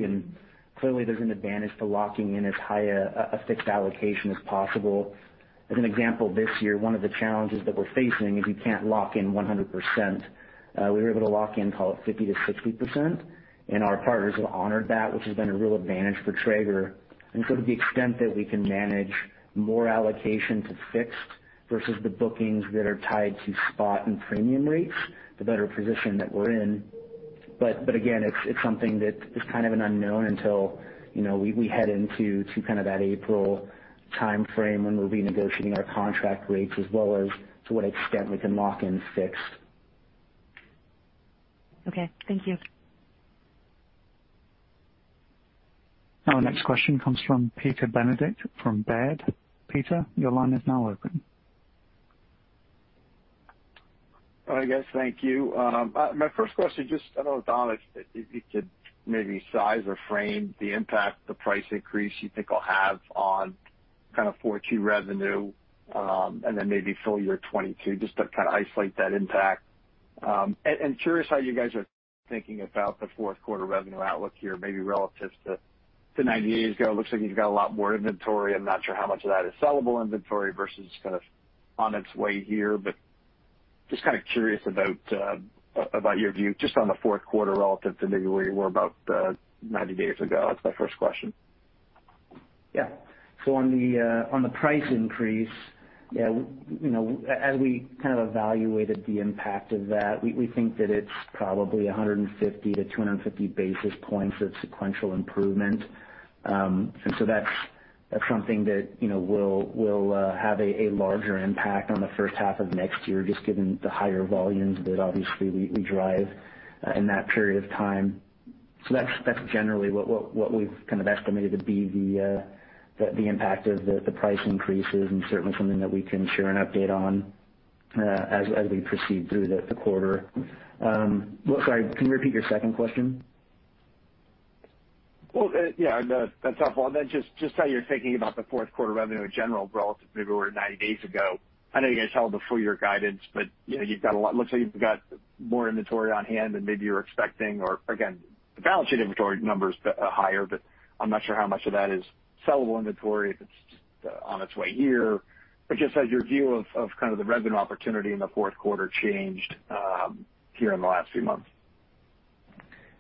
Clearly, there's an advantage to locking in as high a fixed allocation as possible. As an example, this year, one of the challenges that we're facing is you can't lock in 100%. We were able to lock in call it 50%-60%, and our partners have honored that, which has been a real advantage for Traeger. To the extent that we can manage more allocation to fixed versus the bookings that are tied to spot and premium rates, the better position that we're in. But again, it's something that is kind of an unknown until, you know, we head into that April timeframe when we'll be negotiating our contract rates as well as to what extent we can lock in fixed. Okay, thank you. Our next question comes from Peter Benedict from Baird. Peter, your line is now open. All right, guys. Thank you. My first question, just I don't know, Dom, if you could maybe size or frame the impact the price increase you think it'll have on kind of Q4 2022 revenue, and then maybe full year 2022, just to kind of isolate that impact. Curious how you guys are thinking about the fourth quarter revenue outlook here, maybe relative to 90 days ago. It looks like you've got a lot more inventory. I'm not sure how much of that is sellable inventory versus kind of on its way here. Just kind of curious about your view just on the fourth quarter relative to maybe where you were about 90 days ago. That's my first question. Yeah. On the price increase, yeah, you know, as we kind of evaluated the impact of that, we think that it's probably 150-250 basis points of sequential improvement. That's something that you know will have a larger impact on the first half of next year, just given the higher volumes that obviously we drive in that period of time. That's generally what we've kind of estimated to be the impact of the price increases and certainly something that we can share an update on as we proceed through the quarter. Well, sorry, can you repeat your second question? Well, yeah, no, that's all. Just how you're thinking about the fourth quarter revenue in general relative to maybe where we were 90 days ago. I know you guys held the full year guidance, but you've got a lot, looks like you've got more inventory on hand than maybe you're expecting or again, the balance sheet inventory numbers are higher, but I'm not sure how much of that is sellable inventory if it's just on its way here. Just has your view of kind of the revenue opportunity in the fourth quarter changed here in the last few months?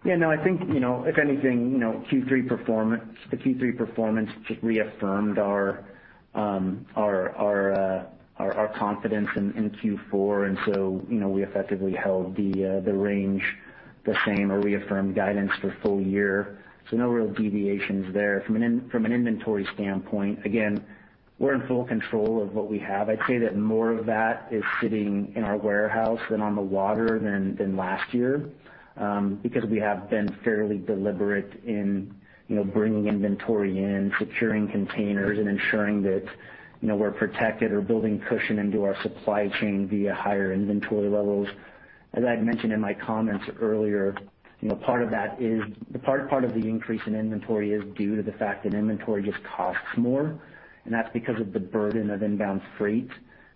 Yeah, no, I think, you know, if anything, you know, the Q3 performance just reaffirmed our confidence in Q4. We effectively held the range the same or reaffirmed guidance for full year. No real deviations there. From an inventory standpoint, again, we're in full control of what we have. I'd say that more of that is sitting in our warehouse than on the water than last year, because we have been fairly deliberate in, you know, bringing inventory in, securing containers, and ensuring that, you know, we're protected or building cushion into our supply chain via higher inventory levels. As I had mentioned in my comments earlier, you know, part of that is the part of the increase in inventory is due to the fact that inventory just costs more, and that's because of the burden of inbound freight,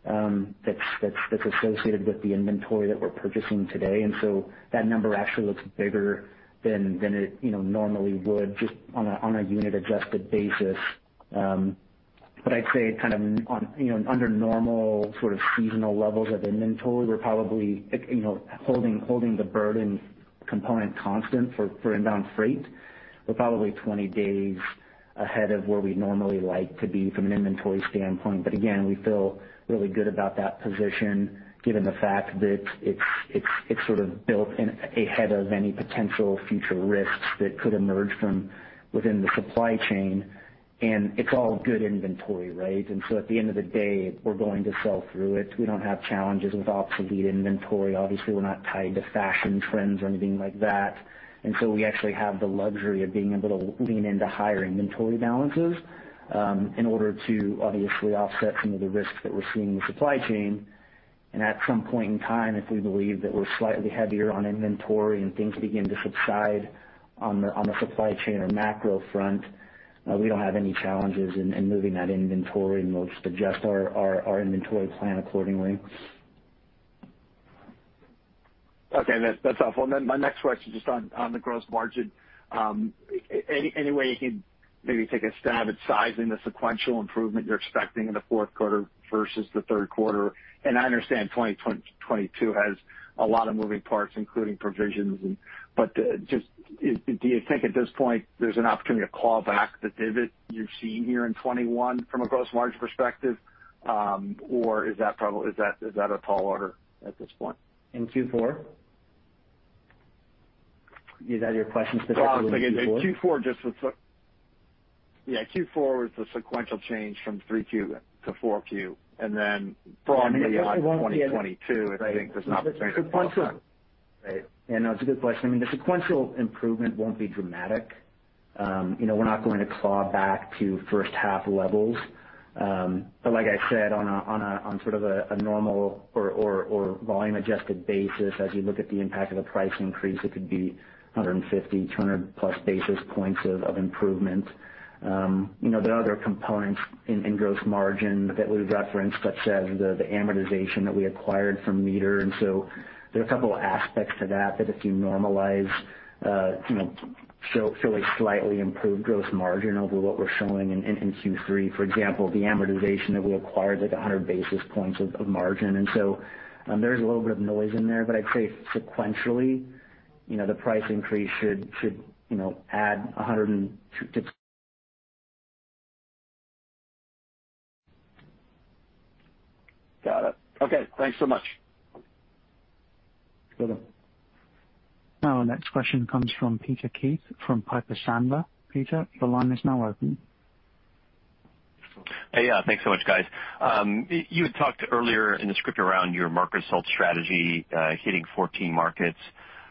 that's associated with the inventory that we're purchasing today. That number actually looks bigger than it, you know, normally would just on a unit-adjusted basis. I'd say kind of on, you know, under normal sort of seasonal levels of inventory, we're probably, you know, holding the burden component constant for inbound freight. We're probably 20 days ahead of where we normally like to be from an inventory standpoint. Again, we feel really good about that position given the fact that it's sort of built in ahead of any potential future risks that could emerge from within the supply chain. It's all good inventory, right? At the end of the day, we're going to sell through it. We don't have challenges with obsolete inventory. Obviously, we're not tied to fashion trends or anything like that. We actually have the luxury of being able to lean into higher inventory balances in order to obviously offset some of the risks that we're seeing in the supply chain. At some point in time, if we believe that we're slightly heavier on inventory and things begin to subside on the supply chain or macro front, we don't have any challenges in moving that inventory, and we'll just adjust our inventory plan accordingly. Okay, that's all. My next question, just on the gross margin, any way you can maybe take a stab at sizing the sequential improvement you're expecting in the fourth quarter versus the third quarter? I understand 2022 has a lot of moving parts, including provisions and. Just do you think at this point there's an opportunity to claw back the divot you've seen here in 2021 from a gross margin perspective? Or is that a tall order at this point? In Q4? Is that your question specifically in Q4? Dom, again, Q4 with the sequential change from Q3 to Q4, and then broadly on 2022, do you think there's an opportunity to claw back? Right. Yeah, no, it's a good question. I mean, the sequential improvement won't be dramatic. You know, we're not going to claw back to first half levels. Like I said, on sort of a normal or volume adjusted basis, as you look at the impact of the price increase, it could be 150 basis points, 200+ basis points of improvement. You know, there are other components in gross margin that we've referenced, such as the amortization that we acquired from MEATER. There are a couple aspects to that if you normalize, you know, show fairly slightly improved gross margin over what we're showing in Q3, for example, the amortization that we acquired is like 100 basis points of margin. There's a little bit of noise in there, but I'd say sequentially, you know, the price increase should, you know, add $102. Got it. Okay, thanks so much. You're welcome. Our next question comes from Peter Keith from Piper Sandler. Peter, your line is now open. Hey. Yeah, thanks so much, guys. You had talked earlier in the script around your market assault strategy, hitting 14 markets.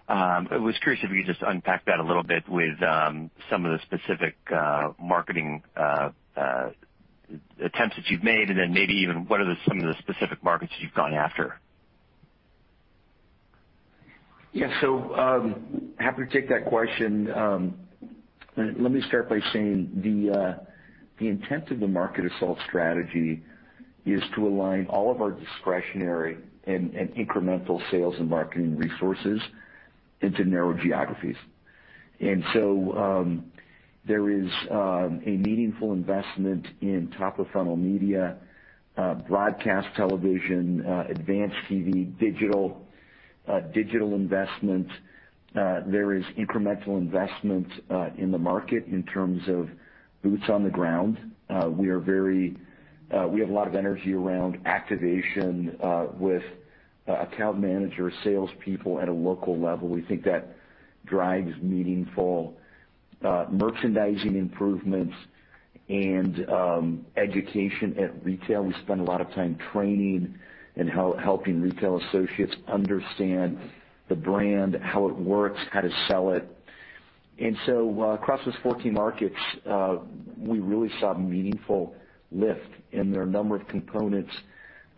I was curious if you could just unpack that a little bit with some of the specific marketing attempts that you've made and then maybe even what are some of the specific markets you've gone after. Yeah. Happy to take that question. Let me start by saying the intent of the market assault strategy is to align all of our discretionary and incremental sales and marketing resources into narrow geographies. There is a meaningful investment in top-of-funnel media, broadcast television, advanced TV, digital investment. There is incremental investment in the market in terms of boots on the ground. We have a lot of energy around activation with account managers, salespeople at a local level. We think that drives meaningful merchandising improvements and education at retail. We spend a lot of time training and helping retail associates understand the brand, how it works, how to sell it. Across those 14 markets, we really saw meaningful lift and there are a number of components.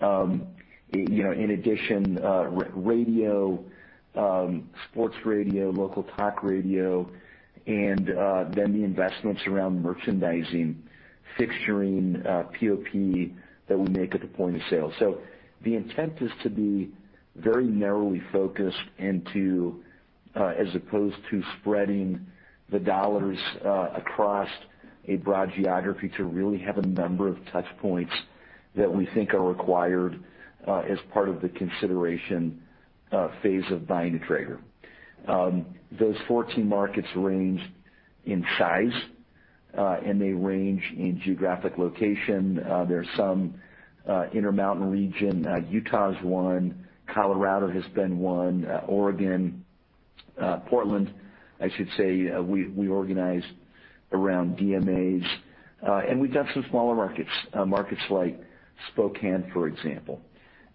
You know, in addition, radio, sports radio, local talk radio, and then the investments around merchandising, fixturing, POP, that we make at the point of sale. The intent is to be very narrowly focused into, as opposed to spreading the dollars, across a broad geography, to really have a number of touch points that we think are required, as part of the consideration phase of buying a Traeger. Those 14 markets range in size, and they range in geographic location. There's some Intermountain region. Utah's one. Colorado has been one. Oregon, Portland, I should say. We organize around DMAs. We've got some smaller markets like Spokane, for example.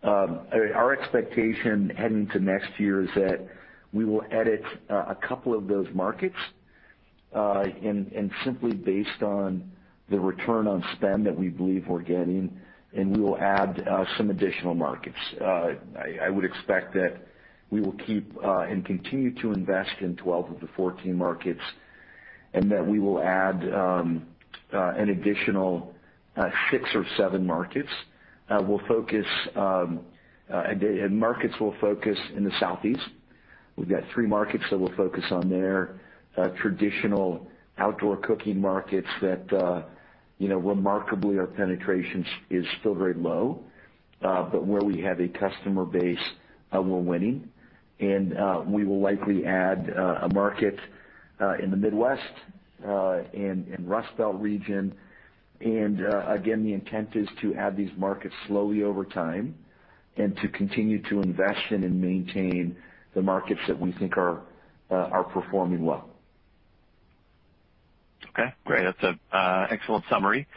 Our expectation heading to next year is that we will exit a couple of those markets, and simply based on the return on spend that we believe we're getting, and we will add some additional markets. I would expect that we will keep and continue to invest in 12 of the 14 markets, and that we will add an additional six or seven markets. Markets will focus in the Southeast. We've got three markets that we'll focus on there, traditional outdoor cooking markets that you know, remarkably our penetration is still very low, but where we have a customer base, we're winning. We will likely add a market in the Midwest in Rust Belt region. Again, the intent is to add these markets slowly over time and to continue to invest in and maintain the markets that we think are performing well. Okay, great. That's an excellent summary.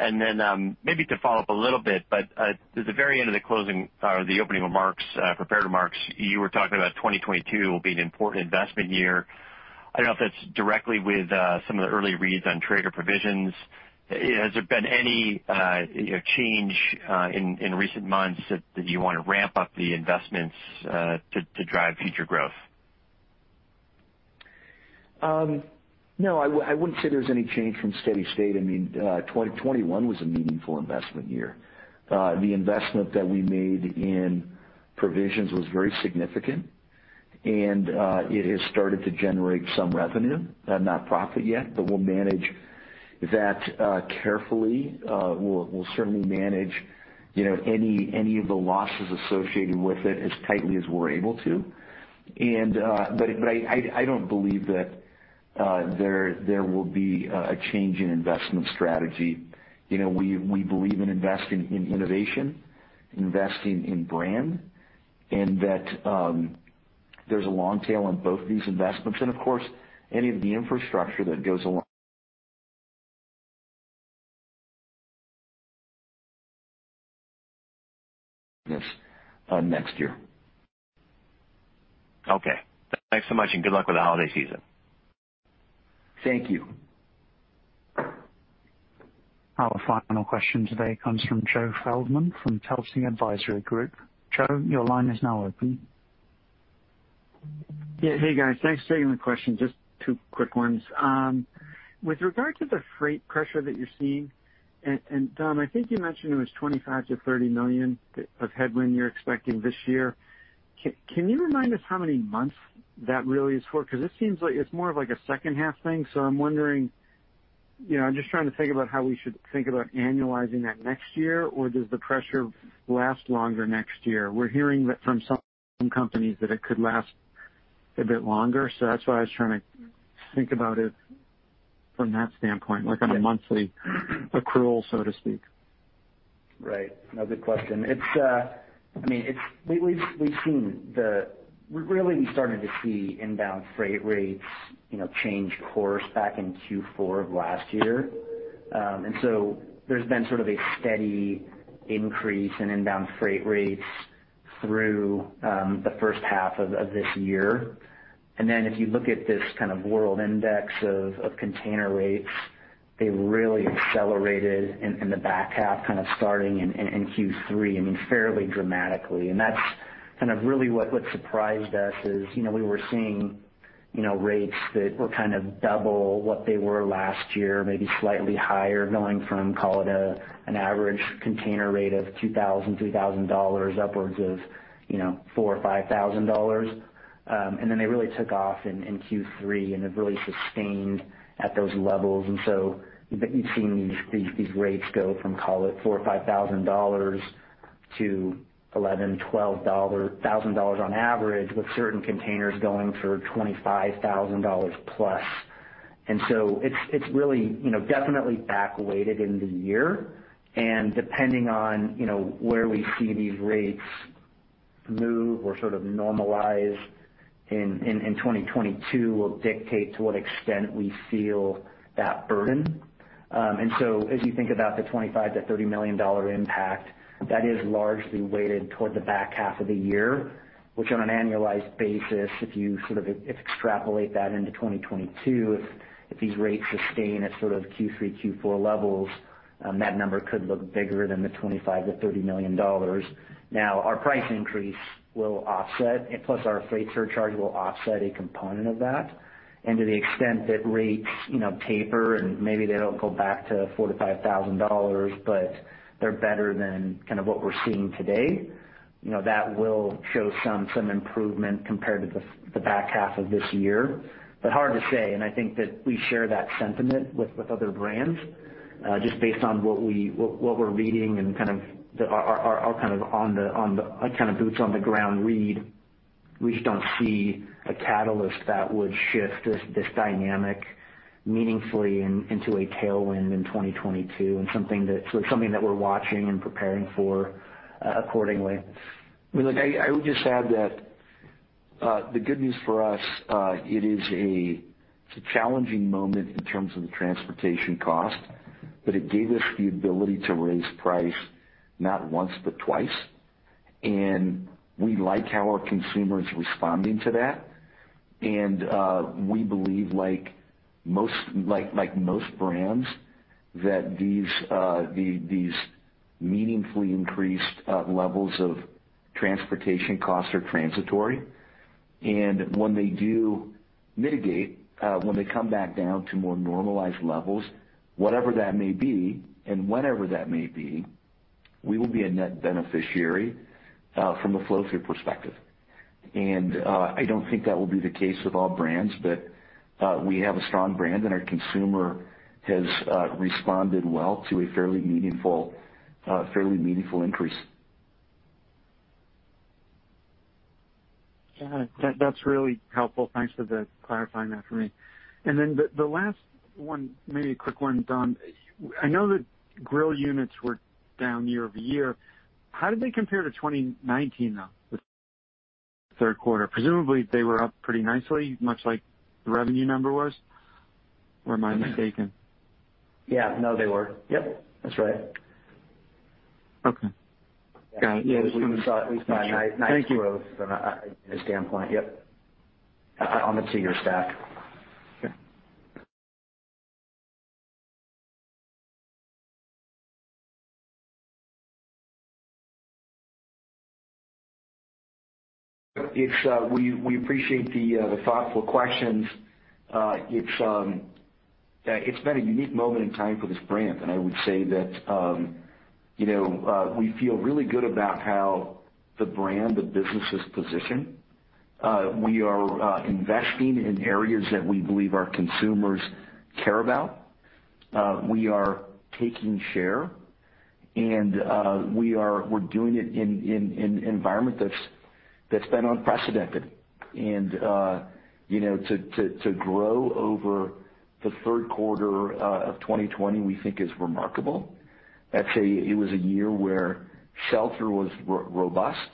Maybe to follow up a little bit, but at the very end of the closing or the opening remarks, prepared remarks, you were talking about 2022 will be an important investment year. I don't know if that's directly with some of the early reads on Traeger Provisions. Has there been any, you know, change in recent months that you wanna ramp up the investments to drive future growth? No, I wouldn't say there's any change from steady state. I mean, 2021 was a meaningful investment year. The investment that we made in Provisions was very significant, and it has started to generate some revenue, not profit yet, but we'll manage that carefully. We'll certainly manage, you know, any of the losses associated with it as tightly as we're able to. But I don't believe that there will be a change in investment strategy. You know, we believe in investing in innovation, investing in brand, and that there's a long tail on both these investments and of course, any of the infrastructure that goes along. Yes, next year. Okay. Thanks so much, and good luck with the holiday season. Thank you. Our final question today comes from Joe Feldman from Telsey Advisory Group. Joe, your line is now open. Yeah. Hey, guys. Thanks for taking the question. Just two quick ones. With regard to the freight pressure that you're seeing, and Dom, I think you mentioned it was $25 million-$30 million of headwind you're expecting this year. Can you remind us how many months that really is for? 'Cause it seems like it's more of like a second half thing. I'm wondering, you know, I'm just trying to think about how we should think about annualizing that next year, or does the pressure last longer next year? We're hearing that from some companies that it could last a bit longer. That's why I was trying to think about it from that standpoint, like on a monthly accrual, so to speak. Right. No, good question. Really, we started to see inbound freight rates, you know, change course back in Q4 of last year. So there's been sort of a steady increase in inbound freight rates through the first half of this year. Then if you look at this kind of world index of container rates, they really accelerated in the back half, kind of starting in Q3, I mean, fairly dramatically. That's kind of really what surprised us is, you know, we were seeing, you know, rates that were kind of double what they were last year, maybe slightly higher, going from call it an average container rate of $2,000-$3,000 upwards of $4,000-$5,000. They really took off in Q3 and have really sustained at those levels. You've seen these rates go from, call it $4,000 or $5,000 to $11,000-$12,000 on average, with certain containers going for $25,000+. It's really, you know, definitely back weighted in the year. Depending on, you know, where we see these rates move or sort of normalize in 2022 will dictate to what extent we feel that burden. As you think about the $25 million-$30 million impact, that is largely weighted toward the back half of the year, which on an annualized basis, if you sort of extrapolate that into 2022, if these rates sustain at sort of Q3, Q4 levels, that number could look bigger than the $25 million-$30 million. Now, our price increase will offset, and plus our freight surcharge will offset a component of that. To the extent that rates, you know, taper and maybe they don't go back to $4,000-$5,000, but they're better than kind of what we're seeing today, you know, that will show some improvement compared to the back half of this year. Hard to say, and I think that we share that sentiment with other brands, just based on what we're reading and kind of our boots on the ground read. We just don't see a catalyst that would shift this dynamic meaningfully into a tailwind in 2022, and it's something that we're watching and preparing for, accordingly. Well, look, I would just add that the good news for us, it's a challenging moment in terms of the transportation cost, but it gave us the ability to raise price not once, but twice. We like how our consumer is responding to that. We believe like most brands that these meaningfully increased levels of transportation costs are transitory. When they do mitigate, when they come back down to more normalized levels, whatever that may be and whenever that may be, we will be a net beneficiary from a flow-through perspective. I don't think that will be the case with all brands. But we have a strong brand, and our consumer has responded well to a fairly meaningful increase. Got it. That's really helpful. Thanks for clarifying that for me. Then the last one, maybe a quick one, Dom. I know that grill units were down year-over-year. How did they compare to 2019, though, with third quarter? Presumably, they were up pretty nicely, much like the revenue number was or am I mistaken? Yeah. No, they were. Yep, that's right. Okay. Got it. Yeah. We saw a nice growth from a standpoint. Thank you. Yep. On the two-year stack. Okay. We appreciate the thoughtful questions. It's been a unique moment in time for this brand. I would say that, you know, we feel really good about how the brand, the business is positioned. We are investing in areas that we believe our consumers care about. We are taking share and we're doing it in an environment that's been unprecedented. You know, to grow over the third quarter of 2020, we think is remarkable. It was a year where shelter was robust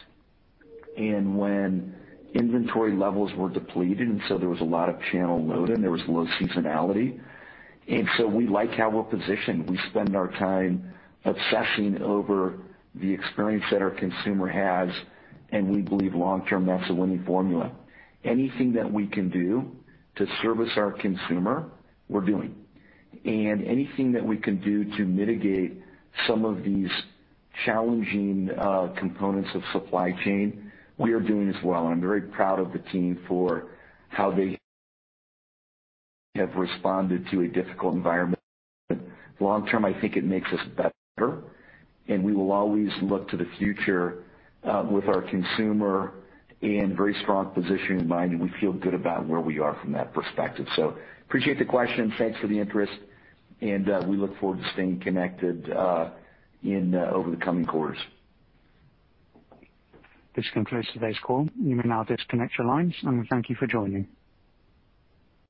and when inventory levels were depleted, and so there was a lot of channel loading, there was low seasonality. We like how we're positioned. We spend our time obsessing over the experience that our consumer has, and we believe long term, that's a winning formula. Anything that we can do to service our consumer, we're doing. Anything that we can do to mitigate some of these challenging components of supply chain, we are doing as well. I'm very proud of the team for how they have responded to a difficult environment. Long term, I think it makes us better, and we will always look to the future with our consumer in very strong position in mind, and we feel good about where we are from that perspective. Appreciate the question, and thanks for the interest. We look forward to staying connected over the coming quarters. This concludes today's call. You may now disconnect your lines, and we thank you for joining.